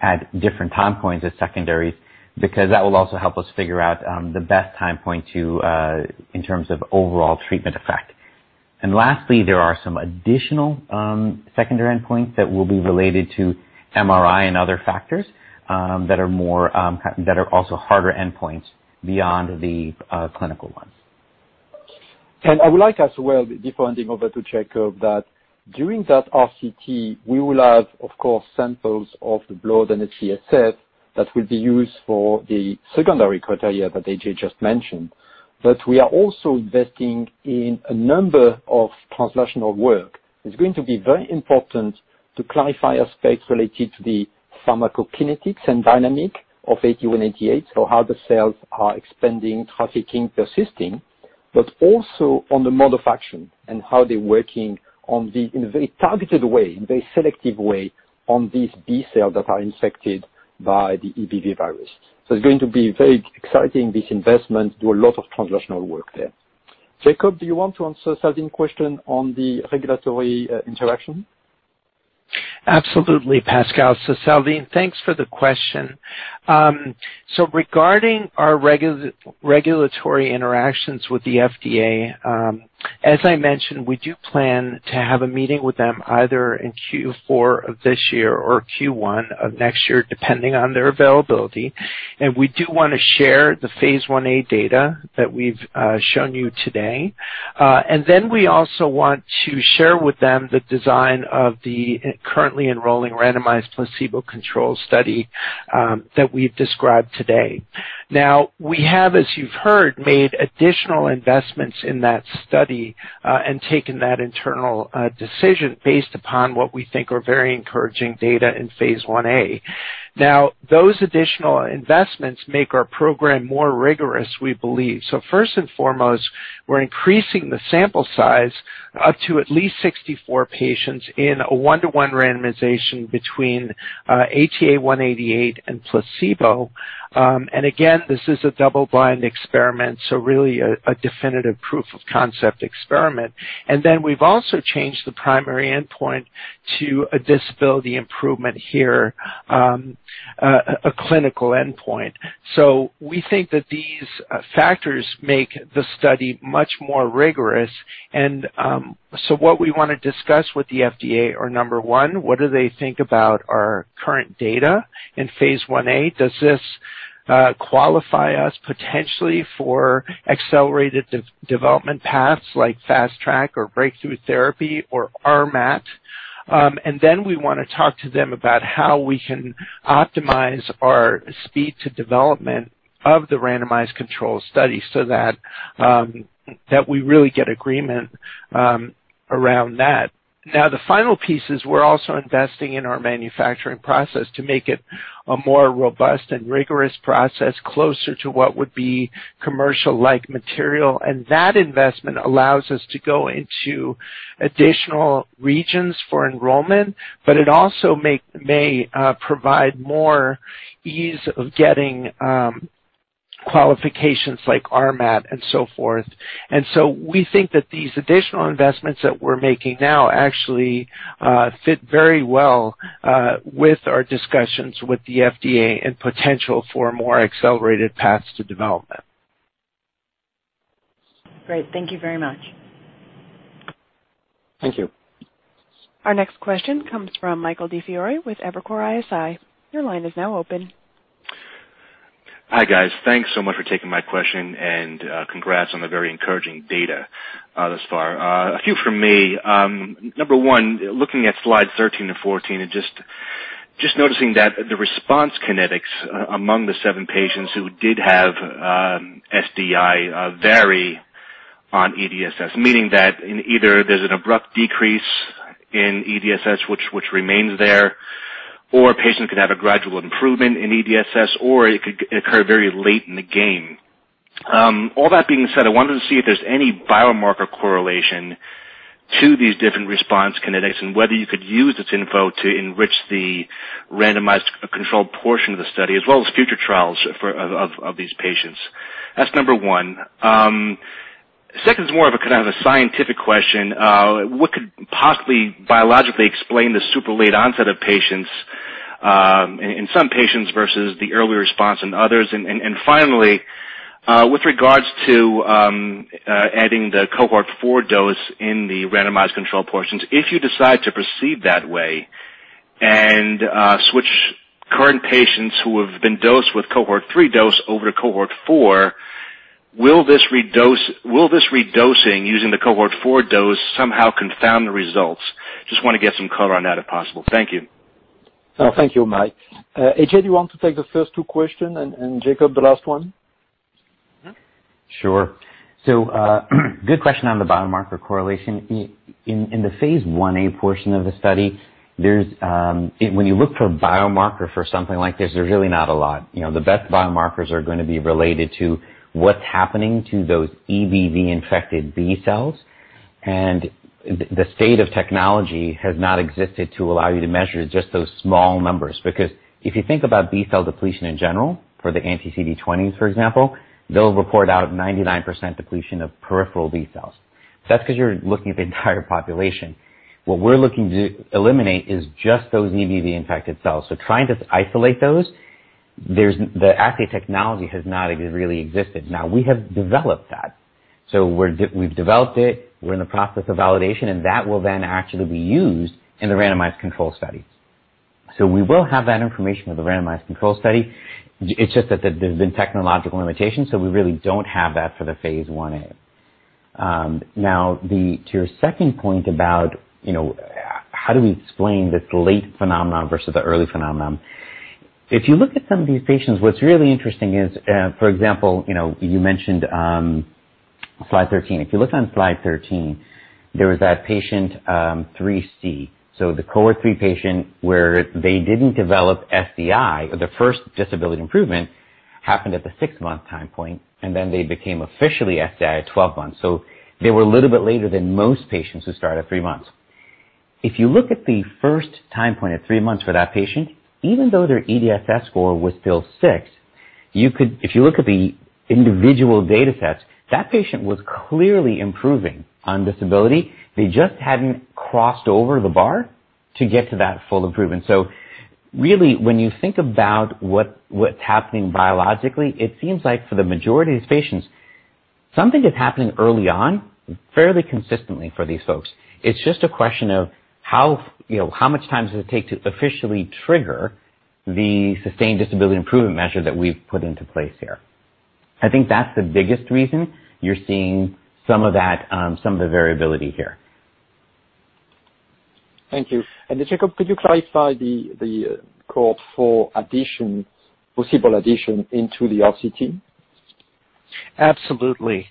at different time points as secondaries, because that will also help us figure out the best time point in terms of overall treatment effect. Lastly, there are some additional secondary endpoints that will be related to MRI and other factors, that are also harder endpoints beyond the clinical ones. I would like as well, before handing over to Jakob, that during that RCT, we will have, of course, samples of the blood and the CSF that will be used for the secondary criteria that AJ just mentioned. We are also investing in a number of translational work. It's going to be very important to clarify aspects related to the pharmacokinetics and dynamic of ATA188, so how the cells are expanding, trafficking, persisting, but also on the mode of action and how they're working in a very targeted way, in a very selective way on these B cells that are infected by the EBV virus. It's going to be very exciting, this investment, do a lot of translational work there. Jakob, do you want to answer Salveen's question on the regulatory interaction? Absolutely, Pascal. Salveen, thanks for the question. Regarding our regulatory interactions with the FDA, as I mentioned, we do plan to have a meeting with them either in Q4 of this year or Q1 of next year, depending on their availability. We do want to share the phase I-A data that we've shown you today. We also want to share with them the design of the currently enrolling randomized placebo-controlled study that we've described today. We have, as you've heard, made additional investments in that study, and taken that internal decision based upon what we think are very encouraging data in phase I-A. Those additional investments make our program more rigorous, we believe. First and foremost, we're increasing the sample size up to at least 64 patients in a one-to-one randomization between ATA188 and placebo. Again, this is a double-blind experiment, really a definitive proof of concept experiment. We've also changed the primary endpoint to a disability improvement here, a clinical endpoint. We think that these factors make the study much more rigorous. What we want to discuss with the FDA are, number one, what do they think about our current data in phase I-A? Does this qualify us potentially for accelerated development paths like Fast Track or Breakthrough Therapy or RMAT. We want to talk to them about how we can optimize our speed to development of the randomized control study so that we really get agreement around that. Now, the final piece is we're also investing in our manufacturing process to make it a more robust and rigorous process closer to what would be commercial-like material. That investment allows us to go into additional regions for enrollment, but it also may provide more ease of getting qualifications like RMAT and so forth. We think that these additional investments that we're making now actually fit very well with our discussions with the FDA and potential for more accelerated paths to development. Great. Thank you very much. Thank you. Our next question comes from Michael DiFiore with Evercore ISI. Your line is now open. Hi, guys. Thanks so much for taking my question. Congrats on the very encouraging data thus far. A few from me. Number one, looking at slide 13 to 14 and just noticing that the response kinetics among the seven patients who did have SDI vary on EDSS. Meaning that in either there's an abrupt decrease in EDSS which remains there, or a patient could have a gradual improvement in EDSS, or it could occur very late in the game. All that being said, I wanted to see if there's any biomarker correlation to these different response kinetics and whether you could use this info to enrich the randomized controlled portion of the study, as well as future trials of these patients. That's number one. Second is more of a kind of a scientific question. What could possibly biologically explain the super late onset of patients, in some patients versus the early response in others? Finally, with regards to adding the cohort 4 dose in the randomized control portions, if you decide to proceed that way and switch current patients who have been dosed with cohort 3 dose over to cohort 4, will this redosing using the cohort 4 dose somehow confound the results? Just want to get some color on that if possible. Thank you. Thank you, Mike. AJ, do you want to take the first two questions and Jakob, the last one? Sure. Good question on the biomarker correlation. In the phase I-A portion of the study, when you look for a biomarker for something like this, there's really not a lot. The best biomarkers are going to be related to what's happening to those EBV-infected B cells. The state of technology has not existed to allow you to measure just those small numbers. Because if you think about B cell depletion in general, for the anti-CD20s, for example, they'll report out of 99% depletion of peripheral B cells. That's because you're looking at the entire population. What we're looking to eliminate is just those EBV-infected cells. Trying to isolate those, the assay technology has not really existed. Now, we have developed that. We've developed it. We're in the process of validation, and that will then actually be used in the randomized control study. We will have that information with the randomized control study. It's just that there's been technological limitations, so we really don't have that for the phase I-A. To your second point about how do we explain this late phenomenon versus the early phenomenon. If you look at some of these patients, what's really interesting is, for example, you mentioned slide 13. If you look on slide 13, there was that patient 3C. The cohort 3 patient where they didn't develop SDI, or their first disability improvement happened at the six-month time point, and then they became officially SDI at 12 months. They were a little bit later than most patients who start at three months. If you look at the first time point at three months for that patient, even though their EDSS score was still six, if you look at the individual data sets, that patient was clearly improving on disability. They just hadn't crossed over the bar to get to that full improvement. Really, when you think about what's happening biologically, it seems like for the majority of these patients, something is happening early on fairly consistently for these folks. It's just a question of how much time does it take to officially trigger the sustained disability improvement measure that we've put into place here. I think that's the biggest reason you're seeing some of the variability here. Thank you. Jakob, could you clarify the cohort 4 possible addition into the RCT? Absolutely.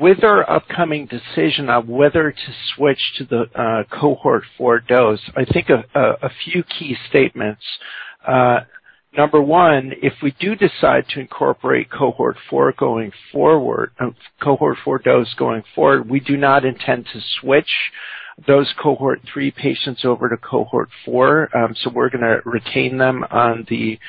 With our upcoming decision on whether to switch to the cohort 4 dose, I think a few key statements. Number 1, if we do decide to incorporate cohort 4 dose going forward, we do not intend to switch those cohort 3 patients over to cohort 4. We're going to retain them on the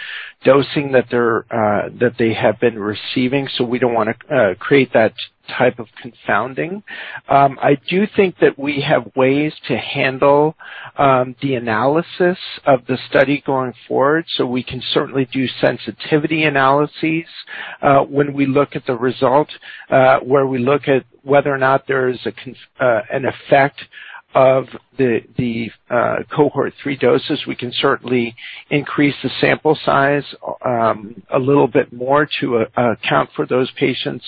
dosing that they have been receiving. We don't want to create that type of confounding. I do think that we have ways to handle the analysis of the study going forward, so we can certainly do sensitivity analyses. When we look at the result, where we look at whether or not there is an effect of the cohort 3 doses, we can certainly increase the sample size a little bit more to account for those patients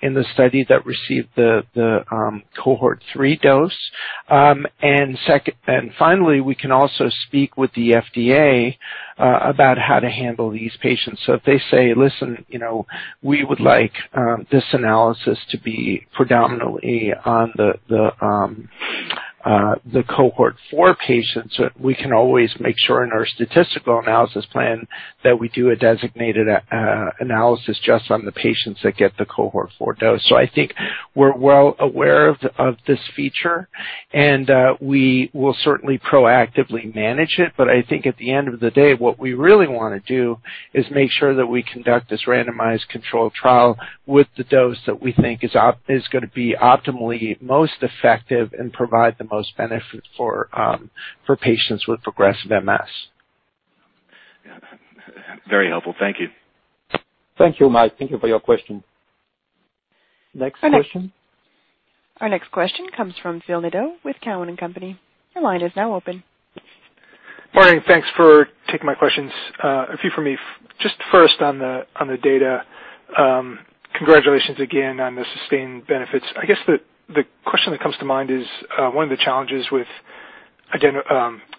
in the study that received the cohort 3 dose. Finally, we can also speak with the FDA about how to handle these patients. If they say, "Listen, we would like this analysis to be predominantly on the cohort 4 patients," we can always make sure in our statistical analysis plan that we do a designated analysis just on the patients that get the cohort 4 dose. I think we're well aware of this feature, and we will certainly proactively manage it. I think at the end of the day, what we really want to do is make sure that we conduct this randomized controlled trial with the dose that we think is going to be optimally most effective and provide the most benefit for patients with progressive MS. Yeah. Very helpful. Thank you. Thank you, Mike. Thank you for your question. Next question? Our next question comes from Phil Nadeau with Cowen and Company. Your line is now open. Morning. Thanks for taking my questions. A few from me. First on the data, congratulations again on the sustained benefits. I guess the question that comes to mind is, one of the challenges with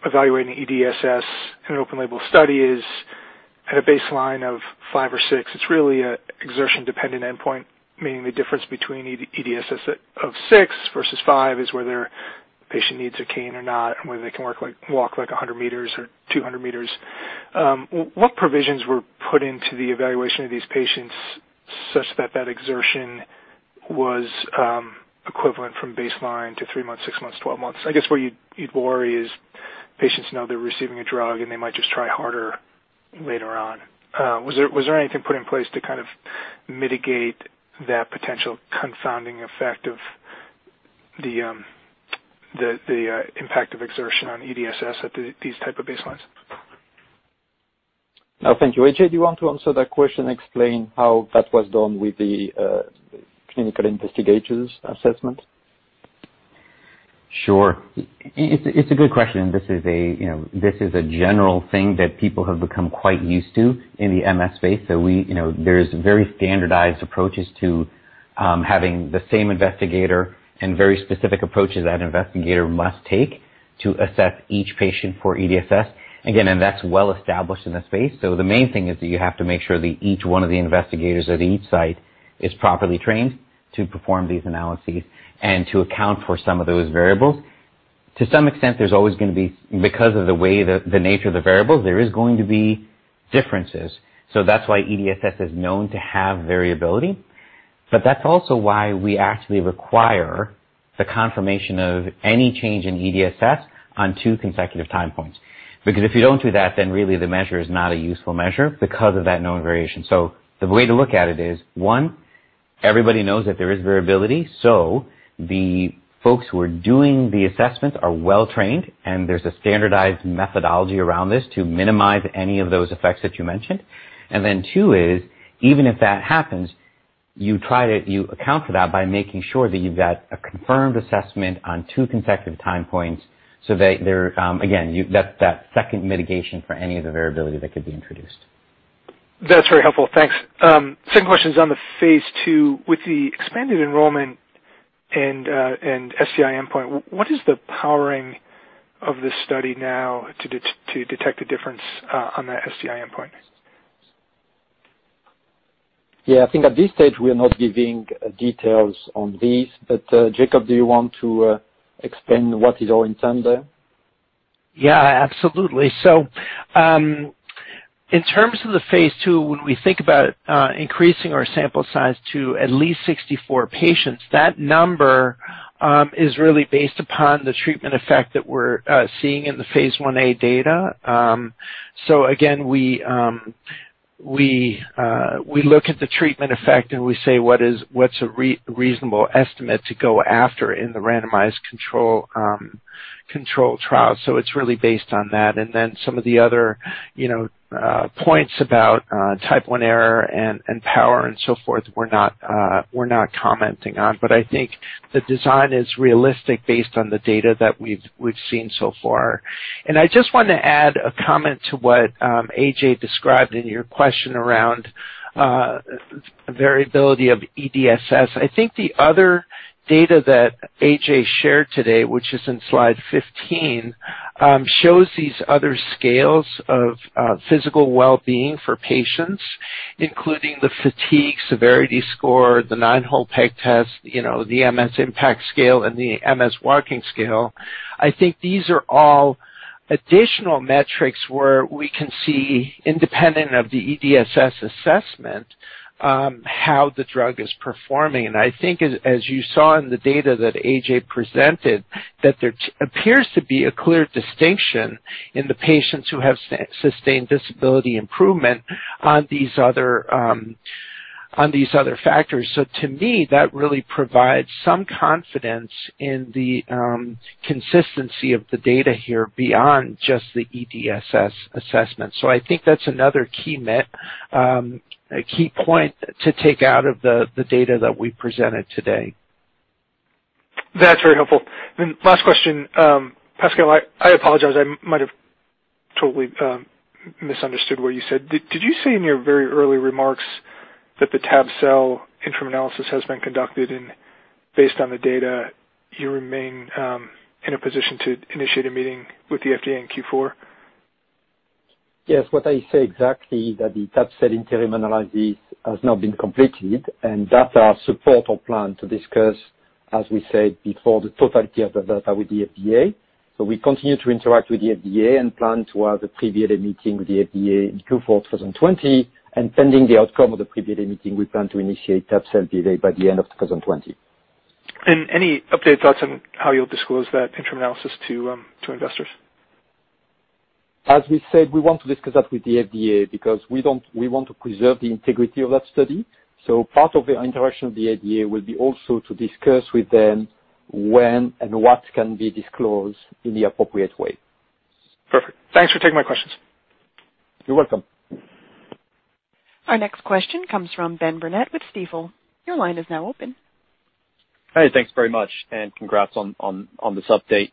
evaluating EDSS in an open label study is at a baseline of five or six, it's really an exertion-dependent endpoint, meaning the difference between EDSS of six versus five is whether a patient needs a cane or not, and whether they can walk 100 meters or 200 meters. What provisions were put into the evaluation of these patients such that that exertion was equivalent from baseline to three months, six months, 12 months? I guess where you'd worry is patients know they're receiving a drug and they might just try harder later on. Was there anything put in place to mitigate that potential confounding effect of the impact of exertion on EDSS at these type of baselines? Thank you. AJ, do you want to answer that question, explain how that was done with the clinical investigators assessment? Sure. It's a good question. There's very standardized approaches to having the same investigator and very specific approaches that investigator must take to assess each patient for EDSS. Again, that's well established in the space. The main thing is that you have to make sure that each one of the investigators at each site is properly trained to perform these analyses and to account for some of those variables. To some extent, there's always going to be, because of the way the nature of the variables, there is going to be differences. That's also why we actually require the confirmation of any change in EDSS on two consecutive time points. If you don't do that, then really the measure is not a useful measure because of that known variation. The way to look at it is, one, everybody knows that there is variability, so the folks who are doing the assessments are well-trained, and there's a standardized methodology around this to minimize any of those effects that you mentioned. Two is, even if that happens, you account for that by making sure that you've got a confirmed assessment on two consecutive time points so that there, again, that's that second mitigation for any of the variability that could be introduced. That's very helpful. Thanks. Second question is on the phase II. With the expanded enrollment and SDI endpoint, what is the powering of this study now to detect a difference on that SDI endpoint? Yeah, I think at this stage, we are not giving details on these. Jakob, do you want to explain what is our intent there? Yeah, absolutely. In terms of the phase II, when we think about increasing our sample size to at least 64 patients, that number is really based upon the treatment effect that we're seeing in the phase I-A data. Again, we look at the treatment effect, and we say, what's a reasonable estimate to go after in the randomized controlled trial? It's really based on that. Then some of the other points about type 1 error and power and so forth, we're not commenting on. I think the design is realistic based on the data that we've seen so far. I just want to add a comment to what AJ described in your question around variability of EDSS. I think the other data that AJ shared today, which is in slide 15, shows these other scales of physical well-being for patients, including the Fatigue Severity Scale, the 9 hole peg test, the Multiple Sclerosis Impact Scale, and the Multiple Sclerosis Walking Scale. I think these are all additional metrics where we can see, independent of the EDSS assessment, how the drug is performing. I think as you saw in the data that AJ presented, that there appears to be a clear distinction in the patients who have sustained disability improvement on these other factors. To me, that really provides some confidence in the consistency of the data here beyond just the EDSS assessment. I think that's another key point to take out of the data that we presented today. That's very helpful. Last question. Pascal, I apologize, I might have totally misunderstood what you said. Did you say in your very early remarks that the TABS cell interim analysis has been conducted and based on the data, you remain in a position to initiate a meeting with the FDA in Q4? Yes. What I said exactly, that the tabelecleucel interim analysis has now been completed. Data support our plan to discuss, as we said before, the totality of the data with the FDA. We continue to interact with the FDA and plan to have a pre-BLA meeting with the FDA in Q4 2020. Pending the outcome of the pre-BLA meeting, we plan to initiate tabelecleucel BLA by the end of 2020. Any updated thoughts on how you'll disclose that interim analysis to investors? As we said, we want to discuss that with the FDA because we want to preserve the integrity of that study. Part of the interaction with the FDA will be also to discuss with them when and what can be disclosed in the appropriate way. Perfect. Thanks for taking my questions. You're welcome. Our next question comes from Ben Burnett with Stifel. Your line is now open. Hey, thanks very much and congrats on this update.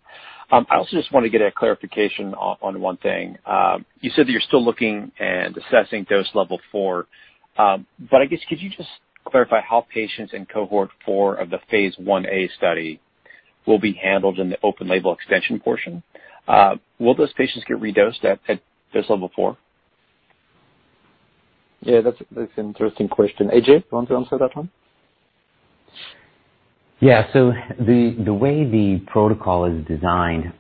I also just want to get a clarification on one thing. You said that you're still looking and assessing dose level 4. I guess could you just clarify how patients in cohort 4 of the phase I-A study will be handled in the open-label extension portion? Will those patients get redosed at dose level 4? Yeah, that's an interesting question. AJ, do you want to answer that one? Yeah. The way the protocol is designed,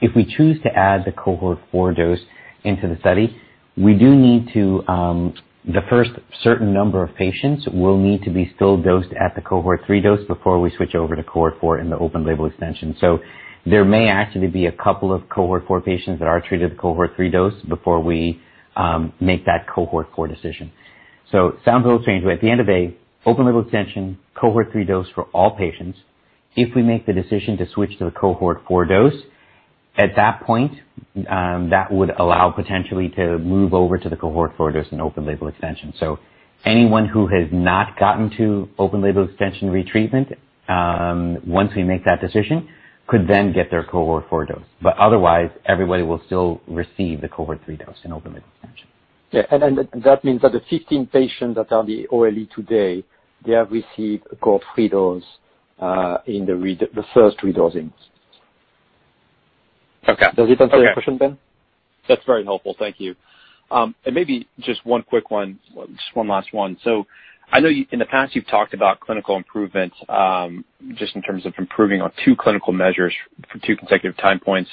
if we choose to add the cohort 4 dose into the study, the first certain number of patients will need to be still dosed at the cohort 3 dose before we switch over to cohort 4 in the open-label extension. There may actually be a couple of cohort 4 patients that are treated with cohort 3 dose before we make that cohort 4 decision. Sounds a little strange, but at the end of a open-label extension, cohort 3 dose for all patients. If we make the decision to switch to the cohort 4 dose, at that point, that would allow potentially to move over to the cohort 4 dose and open-label extension. Anyone who has not gotten to open label extension retreatment, once we make that decision, could then get their cohort 4 dose, but otherwise everybody will still receive the cohort 3 dose and open label extension. Yeah. That means that the 15 patients that are the OLE today, they have received cohort 3 dose in the first redosing. Okay. Does it answer your question, Ben? That's very helpful. Thank you. Maybe just one quick one, just one last one. I know in the past you've talked about clinical improvements, just in terms of improving on two clinical measures for two consecutive time points.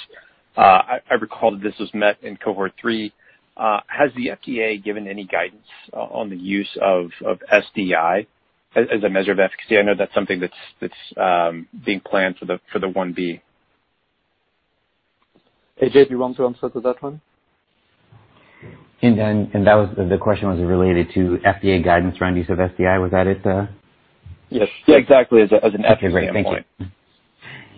I recall that this was met in cohort 3. Has the FDA given any guidance on the use of SDI as a measure of efficacy? I know that's something that's being planned for the phase I-B. AJ, do you want to answer that one? The question was related to FDA guidance around use of SDI. Was that it? Yes. Yeah, exactly. As an endpoint. Okay, great. Thank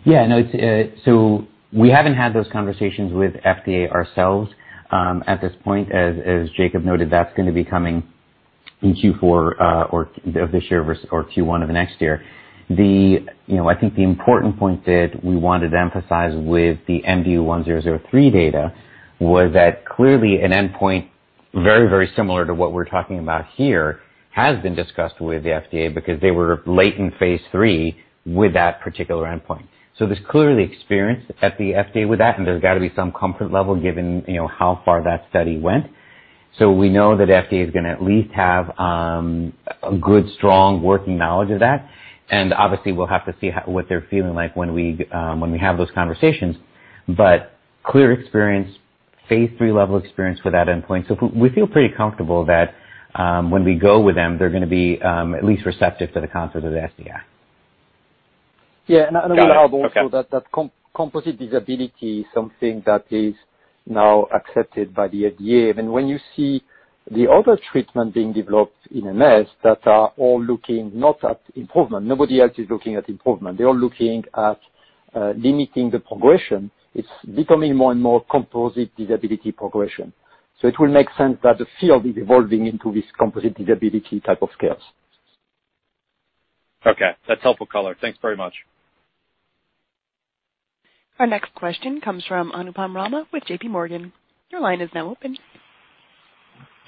you. No. We haven't had those conversations with FDA ourselves, at this point. As Jakob noted, that's going to be coming in Q4 of this year or Q1 of the next year. I think the important point that we wanted to emphasize with the MD1003 data was that clearly an endpoint very, very similar to what we're talking about here has been discussed with the FDA because they were late in phase III with that particular endpoint. There's clearly experience at the FDA with that, and there's got to be some comfort level given how far that study went. We know that FDA is going to at least have a good, strong working knowledge of that, and obviously we'll have to see what they're feeling like when we have those conversations, but clear experience, phase III level experience with that endpoint. We feel pretty comfortable that, when we go with them, they're going to be at least receptive to the concept of the SDI. Yeah. Also that composite disability is something that is now accepted by the FDA. Even when you see the other treatment being developed in MS that are all looking not at improvement. Nobody else is looking at improvement. They're all looking at limiting the progression. It's becoming more and more composite disability progression. It will make sense that the field is evolving into this composite disability type of scales. Okay. That's helpful color. Thanks very much. Our next question comes from Anupam Rama with JPMorgan. Your line is now open.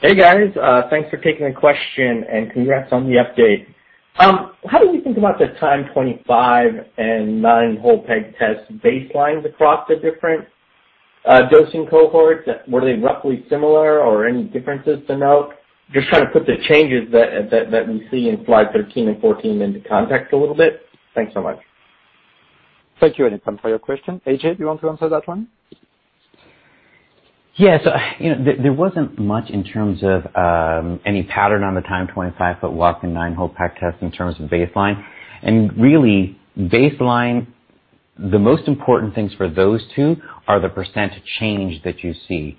Hey, guys. Thanks for taking the question and congrats on the update. How do you think about the Timed 25 and 9 hole peg test baselines across the different dosing cohorts? Were they roughly similar or any differences to note? Just trying to put the changes that we see in slide 13 and 14 into context a little bit. Thanks so much. Thank you, Anupam, for your question. AJ, do you want to answer that one? Yeah. There wasn't much in terms of any pattern on the timed 25 foot walk and 9 hole peg test in terms of baseline. Really baseline, the most important things for those two are the % change that you see,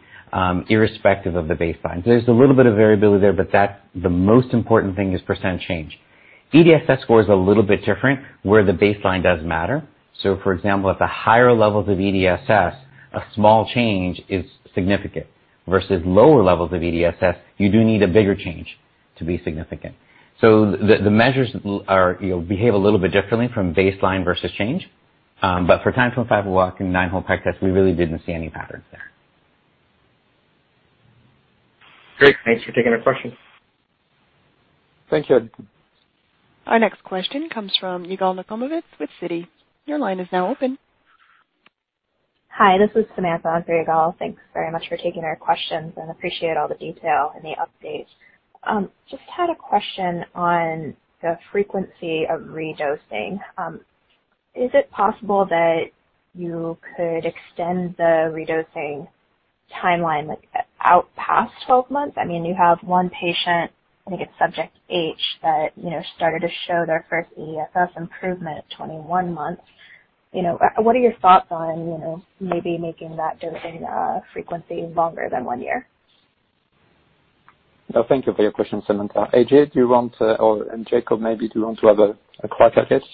irrespective of the baseline. There's a little bit of variability there, but the most important thing is % change. EDSS is a little bit different where the baseline does matter. For example, at the higher levels of EDSS, a small change is significant versus lower levels of EDSS, you do need a bigger change to be significant. The measures behave a little bit differently from baseline versus change. For timed 25 foot walk and 9 hole peg test, we really didn't see any patterns there. Great. Thanks for taking the question. Thank you. Our next question comes from Yigal Nochomovitz with Citi. Your line is now open. Hi, this is Samantha on for Yigal. Thanks very much for taking our questions and appreciate all the detail and the updates. Had a question on the frequency of redosing. Is it possible that you could extend the redosing timeline out past 12 months? You have one patient, I think it's Subject H, that started to show their first EDSS improvement at 21 months. What are your thoughts on maybe making that dosing frequency longer than one year? Thank you for your question, Samantha. AJ, or Jakob maybe, do you want to have a crack at this?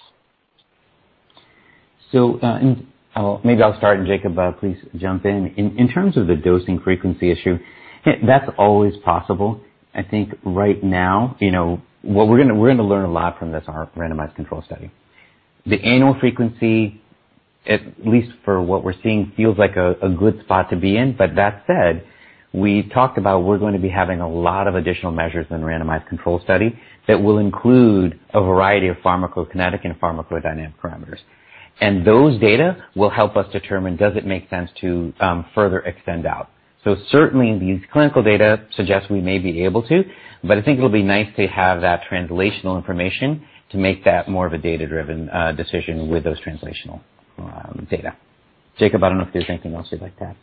Maybe I'll start, and Jakob, please jump in. In terms of the dosing frequency issue, that's always possible. I think right now, we're going to learn a lot from this randomized control study. The annual frequency, at least for what we're seeing, feels like a good spot to be in. That said, we talked about we're going to be having a lot of additional measures in randomized control study that will include a variety of pharmacokinetic and pharmacodynamic parameters. Those data will help us determine, does it make sense to further extend out? Certainly, these clinical data suggest we may be able to, but I think it'll be nice to have that translational information to make that more of a data-driven decision with those translational data. Jakob, I don't know if there's anything else you'd like to add.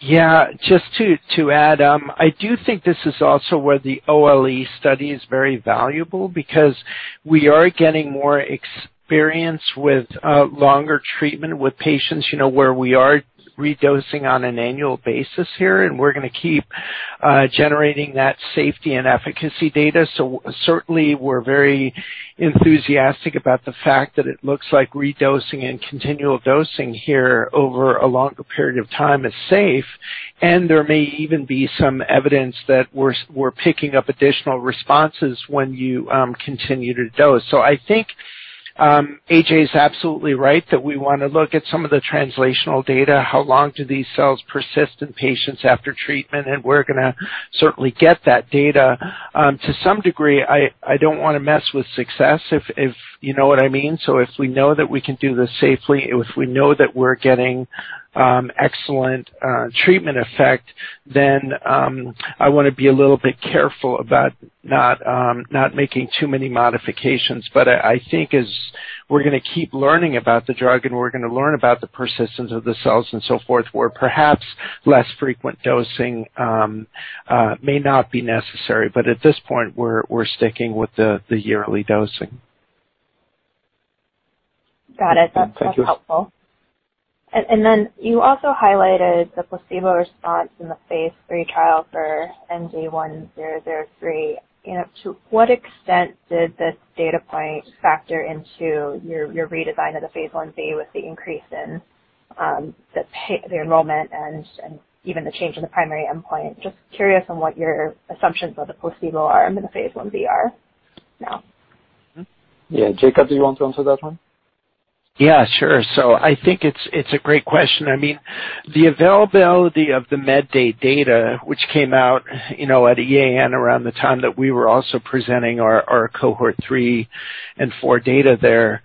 Yeah. Just to add, I do think this is also where the OLE study is very valuable because we are getting more experience with longer treatment with patients, where we are redosing on an annual basis here, and we're going to keep generating that safety and efficacy data. Certainly, we're very enthusiastic about the fact that it looks like redosing and continual dosing here over a longer period of time is safe, and there may even be some evidence that we're picking up additional responses when you continue to dose. I think AJ's absolutely right that we want to look at some of the translational data. How long do these cells persist in patients after treatment? We're going to certainly get that data. To some degree, I don't want to mess with success, if you know what I mean. If we know that we can do this safely, if we know that we're getting excellent treatment effect, then I want to be a little bit careful about not making too many modifications. I think as we're going to keep learning about the drug and we're going to learn about the persistence of the cells and so forth, where perhaps less frequent dosing may not be necessary. At this point, we're sticking with the yearly dosing. Got it. That's helpful. Thank you. You also highlighted the placebo response in the phase III trial for MD1003. To what extent did this data point factor into your redesign of the phase I-B with the increase in the enrollment and even the change in the primary endpoint? Just curious on what your assumptions of the placebo arm in the phase I-B are now. Yeah. Jakob, do you want to answer that one? Yeah, sure. I think it's a great question. The availability of the MedDay data, which came out at EAN around the time that we were also presenting our cohort 3 and 4 data there,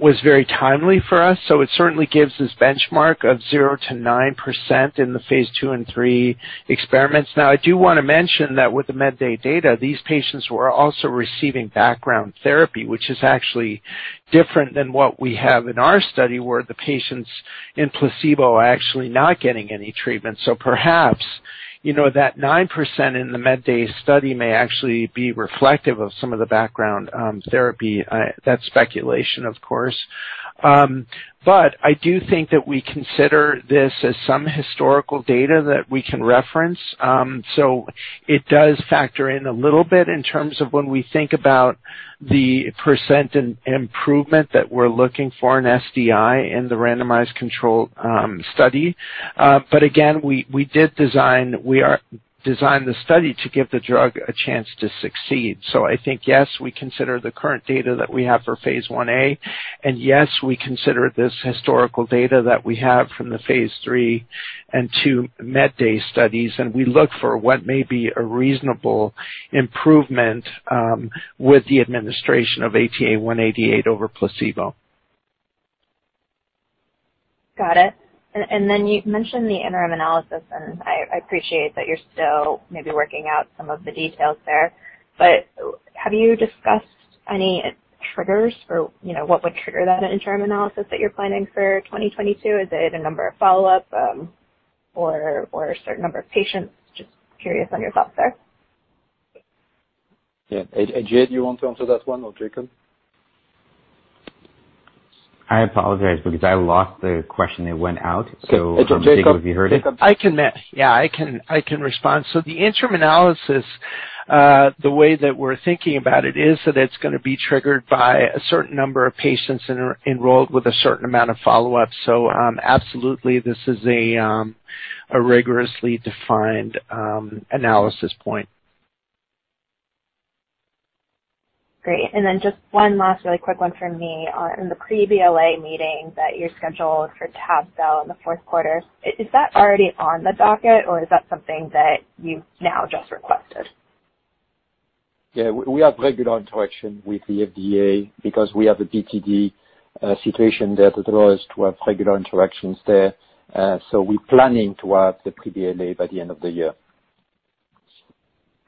was very timely for us. It certainly gives this benchmark of zero to 9% in the phase II and III experiments. Now, I do want to mention that with the MedDay data, these patients were also receiving background therapy, which is actually different than what we have in our study where the patients in placebo are actually not getting any treatment. Perhaps, that 9% in the MedDay study may actually be reflective of some of the background therapy. That's speculation, of course. I do think that we consider this as some historical data that we can reference. It does factor in a little bit in terms of when we think about the percent improvement that we're looking for in SDI in the randomized control study. Again, we did design the study to give the drug a chance to succeed. I think, yes, we consider the current data that we have for phase I-A, and yes, we consider this historical data that we have from the phase III and two MedDay studies, and we look for what may be a reasonable improvement with the administration of ATA188 over placebo. Got it. Then you mentioned the interim analysis. I appreciate that you're still maybe working out some of the details there. Have you discussed any triggers, or what would trigger that interim analysis that you're planning for 2022? Is it a number of follow-up or a certain number of patients? Just curious on your thoughts there. Yeah. AJ, do you want to answer that one or Jakob? I apologize because I lost the question. It went out. Jakob, have you heard it? I can. Yeah, I can respond. The interim analysis. The way that we're thinking about it is that it's going to be triggered by a certain number of patients enrolled with a certain amount of follow-up. Absolutely, this is a rigorously defined analysis point. Great. Just one last really quick one from me. In the pre-BLA meeting that you're scheduled for tabelecleucel in the fourth quarter, is that already on the docket or is that something that you've now just requested? Yeah. We have regular interaction with the FDA because we have a BTD situation there that allows to have regular interactions there. We're planning to have the pre-BLA by the end of the year.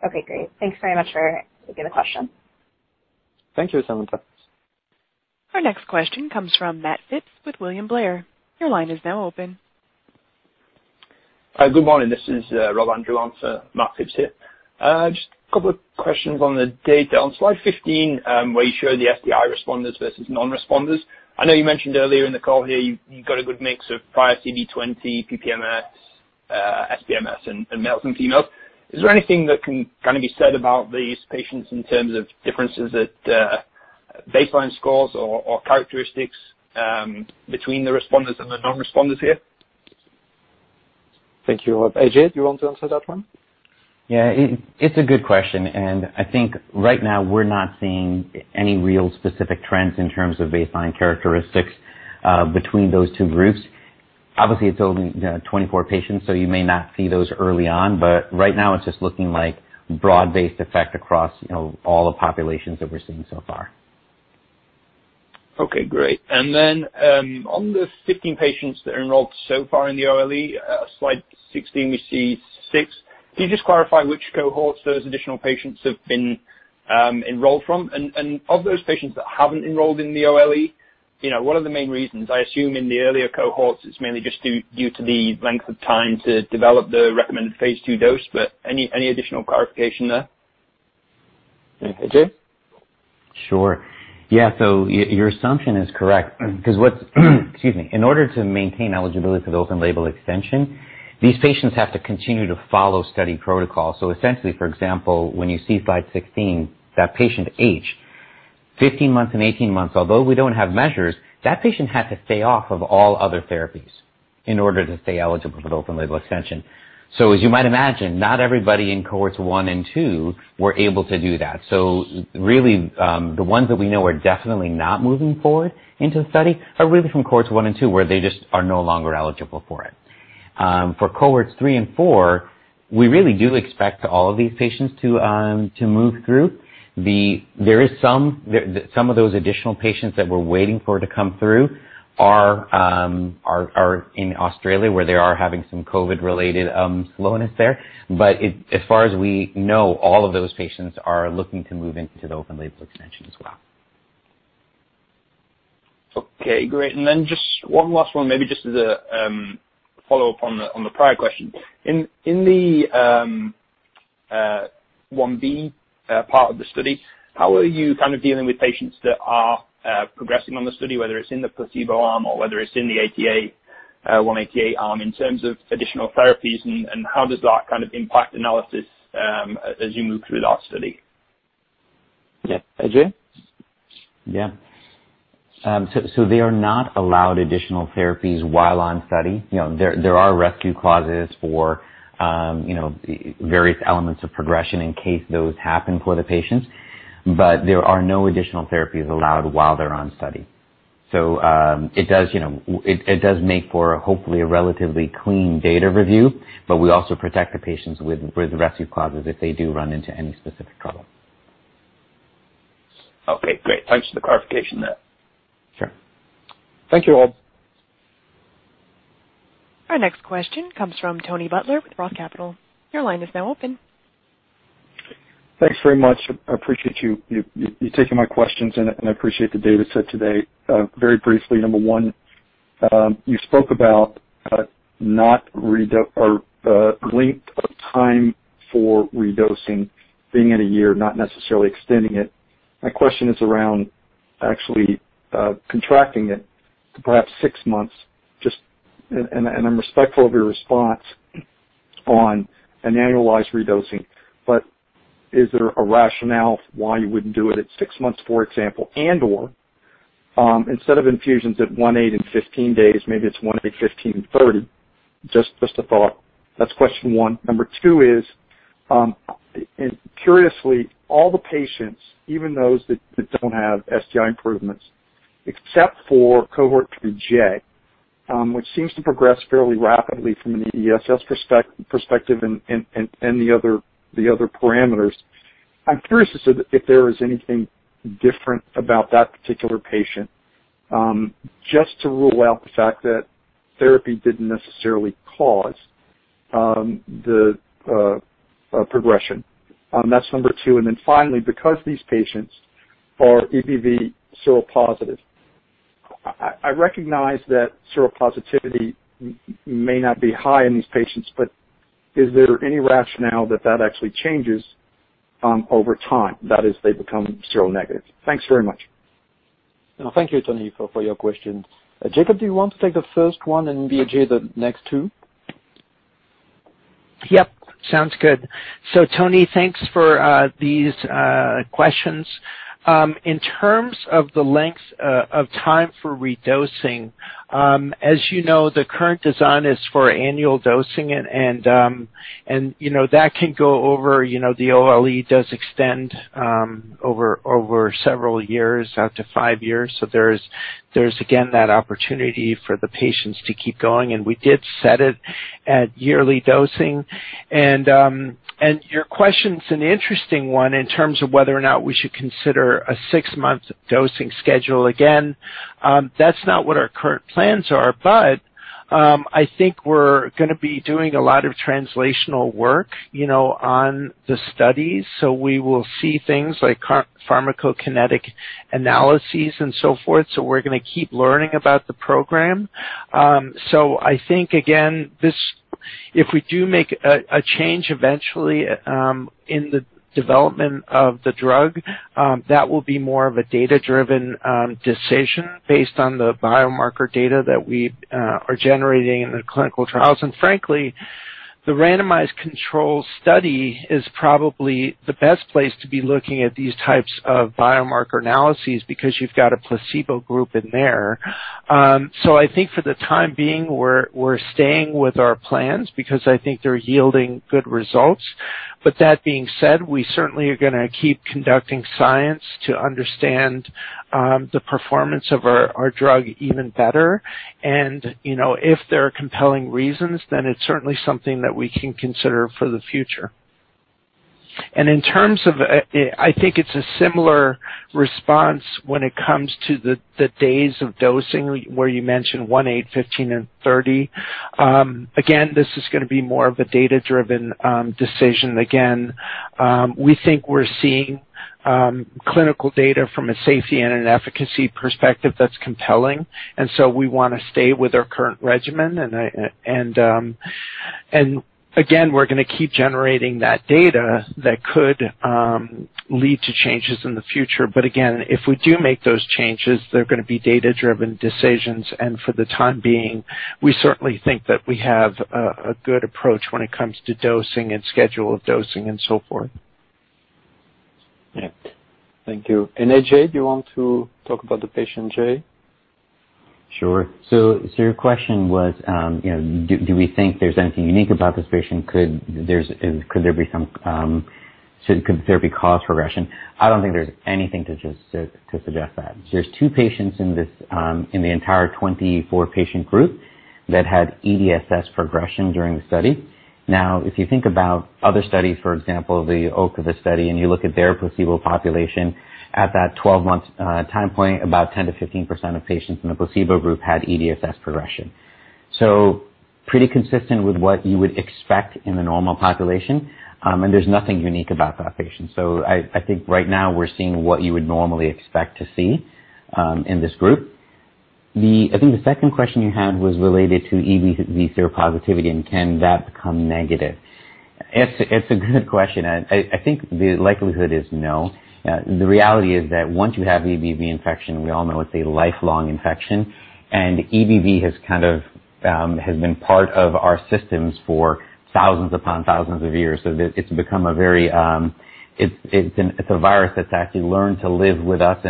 Okay, great. Thanks very much for taking the question. Thank you, Samantha. Our next question comes from Matt Phipps with William Blair. Your line is now open. Hi. Good morning. This is Rob Andrew and Matt Phipps here. Just couple of questions on the data. On slide 15, where you show the SDI responders versus non-responders, I know you mentioned earlier in the call here you've got a good mix of prior CD20, PPMS, SPMS, and males and females. Is there anything that can be said about these patients in terms of differences at baseline scores or characteristics between the responders and the non-responders here? Thank you, Rob. AJ, do you want to answer that one? Yeah. It's a good question. I think right now we're not seeing any real specific trends in terms of baseline characteristics between those two groups. Obviously, it's only 24 patients. You may not see those early on, but right now it's just looking like broad-based effect across all the populations that we're seeing so far. Okay, great. On the 15 patients that are enrolled so far in the OLE, slide 16, we see six. Can you just clarify which cohorts those additional patients have been enrolled from? Of those patients that haven't enrolled in the OLE, what are the main reasons? I assume in the earlier cohorts, it's mainly just due to the length of time to develop the recommended phase II dose, any additional clarification there? AJ? Sure, your assumption is correct because in order to maintain eligibility for the open-label extension, these patients have to continue to follow study protocol. Essentially, for example, when you see slide 16, that patient H, 15 months and 18 months, although we don't have measures, that patient had to stay off of all other therapies in order to stay eligible for the open-label extension. As you might imagine, not everybody in cohorts 1 and 2 were able to do that. Really, the ones that we know are definitely not moving forward into the study are really from cohorts 1 and 2, where they just are no longer eligible for it. For cohorts 3 and 4, we really do expect all of these patients to move through. Some of those additional patients that we're waiting for to come through are in Australia, where they are having some COVID-related slowness there. As far as we know, all of those patients are looking to move into the open-label extension as well. Okay, great. Just one last one, maybe just as a follow-up on the prior question. In the phase I-B part of the study, how are you dealing with patients that are progressing on the study, whether it's in the placebo arm or whether it's in the ATA188 arm in terms of additional therapies, how does that impact analysis as you move through that study? Yeah. AJ? Yeah. They are not allowed additional therapies while on study. There are rescue clauses for various elements of progression in case those happen for the patients, but there are no additional therapies allowed while they're on study. It does make for, hopefully, a relatively clean data review, but we also protect the patients with rescue clauses if they do run into any specific trouble. Okay, great. Thanks for the clarification there. Sure. Thank you, Rob. Our next question comes from Tony Butler with Roth Capital. Your line is now open. Thanks very much. I appreciate you taking my questions. I appreciate the data set today. Very briefly, number one, you spoke about length of time for redosing being in a year, not necessarily extending it. My question is around actually contracting it to perhaps six months. I'm respectful of your response on an annualized redosing. Is there a rationale why you wouldn't do it at six months, for example, and/or instead of infusions at 1-8 and 15 days, maybe it's 1-8, 15, and 30? Just a thought. That's question one. Number two is, curiously, all the patients, even those that don't have SDI improvements, except for cohort 3J which seems to progress fairly rapidly from an EDSS perspective and the other parameters. I'm curious as to if there is anything different about that particular patient, just to rule out the fact that therapy didn't necessarily cause the progression. That's number two. Finally, because these patients are EBV seropositive, I recognize that seropositivity may not be high in these patients, but is there any rationale that that actually changes over time? That is, they become seronegative. Thanks very much. Thank you, Tony, for your question. Jakob, do you want to take the first one and then, AJ, the next two? Yep. Sounds good. Tony, thanks for these questions. In terms of the length of time for redosing, as you know, the current design is for annual dosing. That can go over, the OLE does extend over several years, out to five years. There's again, that opportunity for the patients to keep going. We did set it at yearly dosing. Your question's an interesting one in terms of whether or not we should consider a six-month dosing schedule. That's not what our current plans are, but I think we're going to be doing a lot of translational work on the studies, so we will see things like pharmacokinetic analyses and so forth. We're going to keep learning about the program. I think, again, if we do make a change eventually in the development of the drug, that will be more of a data-driven decision based on the biomarker data that we are generating in the clinical trials. Frankly, the randomized control study is probably the best place to be looking at these types of biomarker analyses because you've got a placebo group in there. I think for the time being, we're staying with our plans because I think they're yielding good results. That being said, we certainly are going to keep conducting science to understand the performance of our drug even better. If there are compelling reasons, then it's certainly something that we can consider for the future. In terms of, I think it's a similar response when it comes to the days of dosing where you mentioned one, eight, 15, and 30. Again, this is going to be more of a data-driven decision. Again, we think we're seeing clinical data from a safety and an efficacy perspective that's compelling, and so we want to stay with our current regimen. Again, we're going to keep generating that data that could lead to changes in the future. Again, if we do make those changes, they're going to be data-driven decisions. For the time being, we certainly think that we have a good approach when it comes to dosing and schedule of dosing and so forth. Yeah. Thank you. AJ, do you want to talk about the patient J? Sure. Your question was, do we think there's anything unique about this patient? Could there be cause for regression? I don't think there's anything to suggest that. There's two patients in the entire 24-patient group that had EDSS progression during the study. If you think about other studies, for example, the Ocrevus study, and you look at their placebo population, at that 12-month time point, about 10%-15% of patients in the placebo group had EDSS progression. Pretty consistent with what you would expect in the normal population. There's nothing unique about that patient. I think right now we're seeing what you would normally expect to see in this group. I think the second question you had was related to EBV seropositivity, and can that become negative? It's a good question. I think the likelihood is no. The reality is that once you have EBV infection, we all know it's a lifelong infection, and EBV has been part of our systems for thousands upon thousands of years. It's a virus that's actually learned to live with us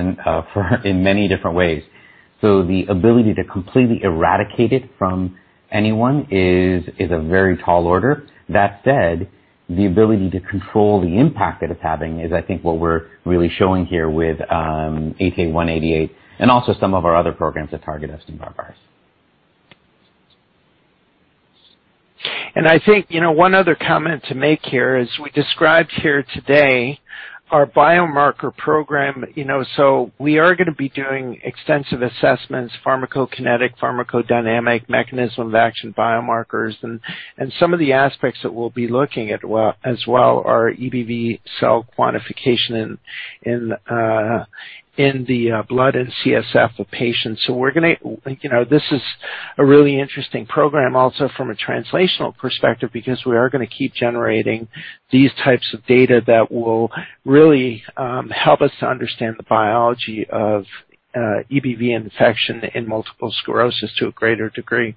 in many different ways. The ability to completely eradicate it from anyone is a very tall order. That said, the ability to control the impact that it's having is, I think, what we're really showing here with ATA188 and also some of our other programs that target Epstein-Barr virus. I think one other comment to make here is we described here today our biomarker program. We are going to be doing extensive assessments, pharmacokinetic, pharmacodynamic, mechanism of action biomarkers. Some of the aspects that we'll be looking at as well are EBV cell quantification in the blood and CSF of patients. This is a really interesting program also from a translational perspective, because we are going to keep generating these types of data that will really help us to understand the biology of EBV infection in multiple sclerosis to a greater degree.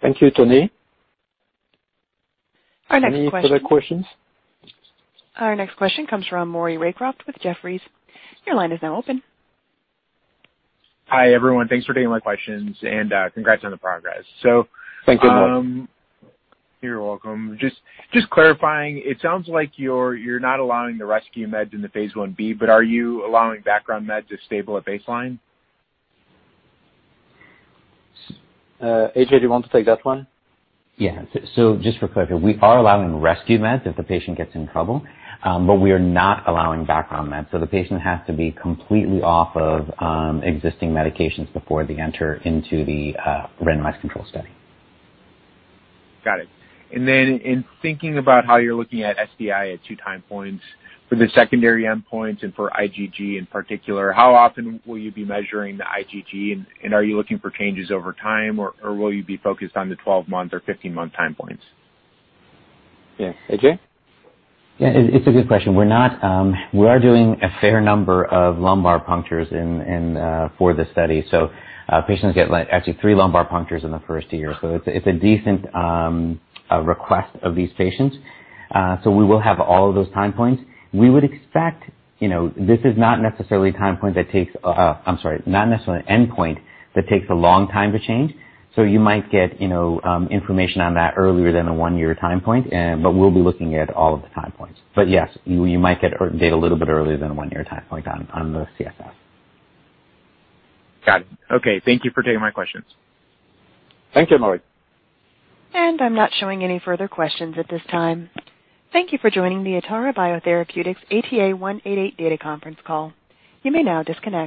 Thank you, Tony. Our next question. Any further questions? Our next question comes from Maury Raycroft with Jefferies. Your line is now open. Hi, everyone. Thanks for taking my questions and congrats on the progress. Thank you, Maury. You're welcome. Just clarifying, it sounds like you're not allowing the rescue meds in the phase I-B, but are you allowing background meds to stable at baseline? AJ, do you want to take that one? Yeah. Just for clarity, we are allowing rescue meds if the patient gets in trouble. We are not allowing background meds. The patient has to be completely off of existing medications before they enter into the randomized control study. Got it. In thinking about how you're looking at SDI at two time points for the secondary endpoints and for IgG in particular, how often will you be measuring the IgG, and are you looking for changes over time, or will you be focused on the 12-month or 15-month time points? Yeah, AJ? Yeah, it's a good question. We are doing a fair number of lumbar punctures for the study. Patients get actually three lumbar punctures in the first year, it's a decent request of these patients. We will have all of those time points. We would expect, this is not necessarily a time point that takes, I'm sorry, not necessarily an endpoint that takes a long time to change. You might get information on that earlier than a one-year time point, but we'll be looking at all of the time points. Yes, you might get data little bit earlier than a one-year time point on the CSF. Got it. Okay, thank you for taking my questions. Thank you, Maury. I'm not showing any further questions at this time. Thank you for joining the Atara Biotherapeutics ATA188 data conference call. You may now disconnect.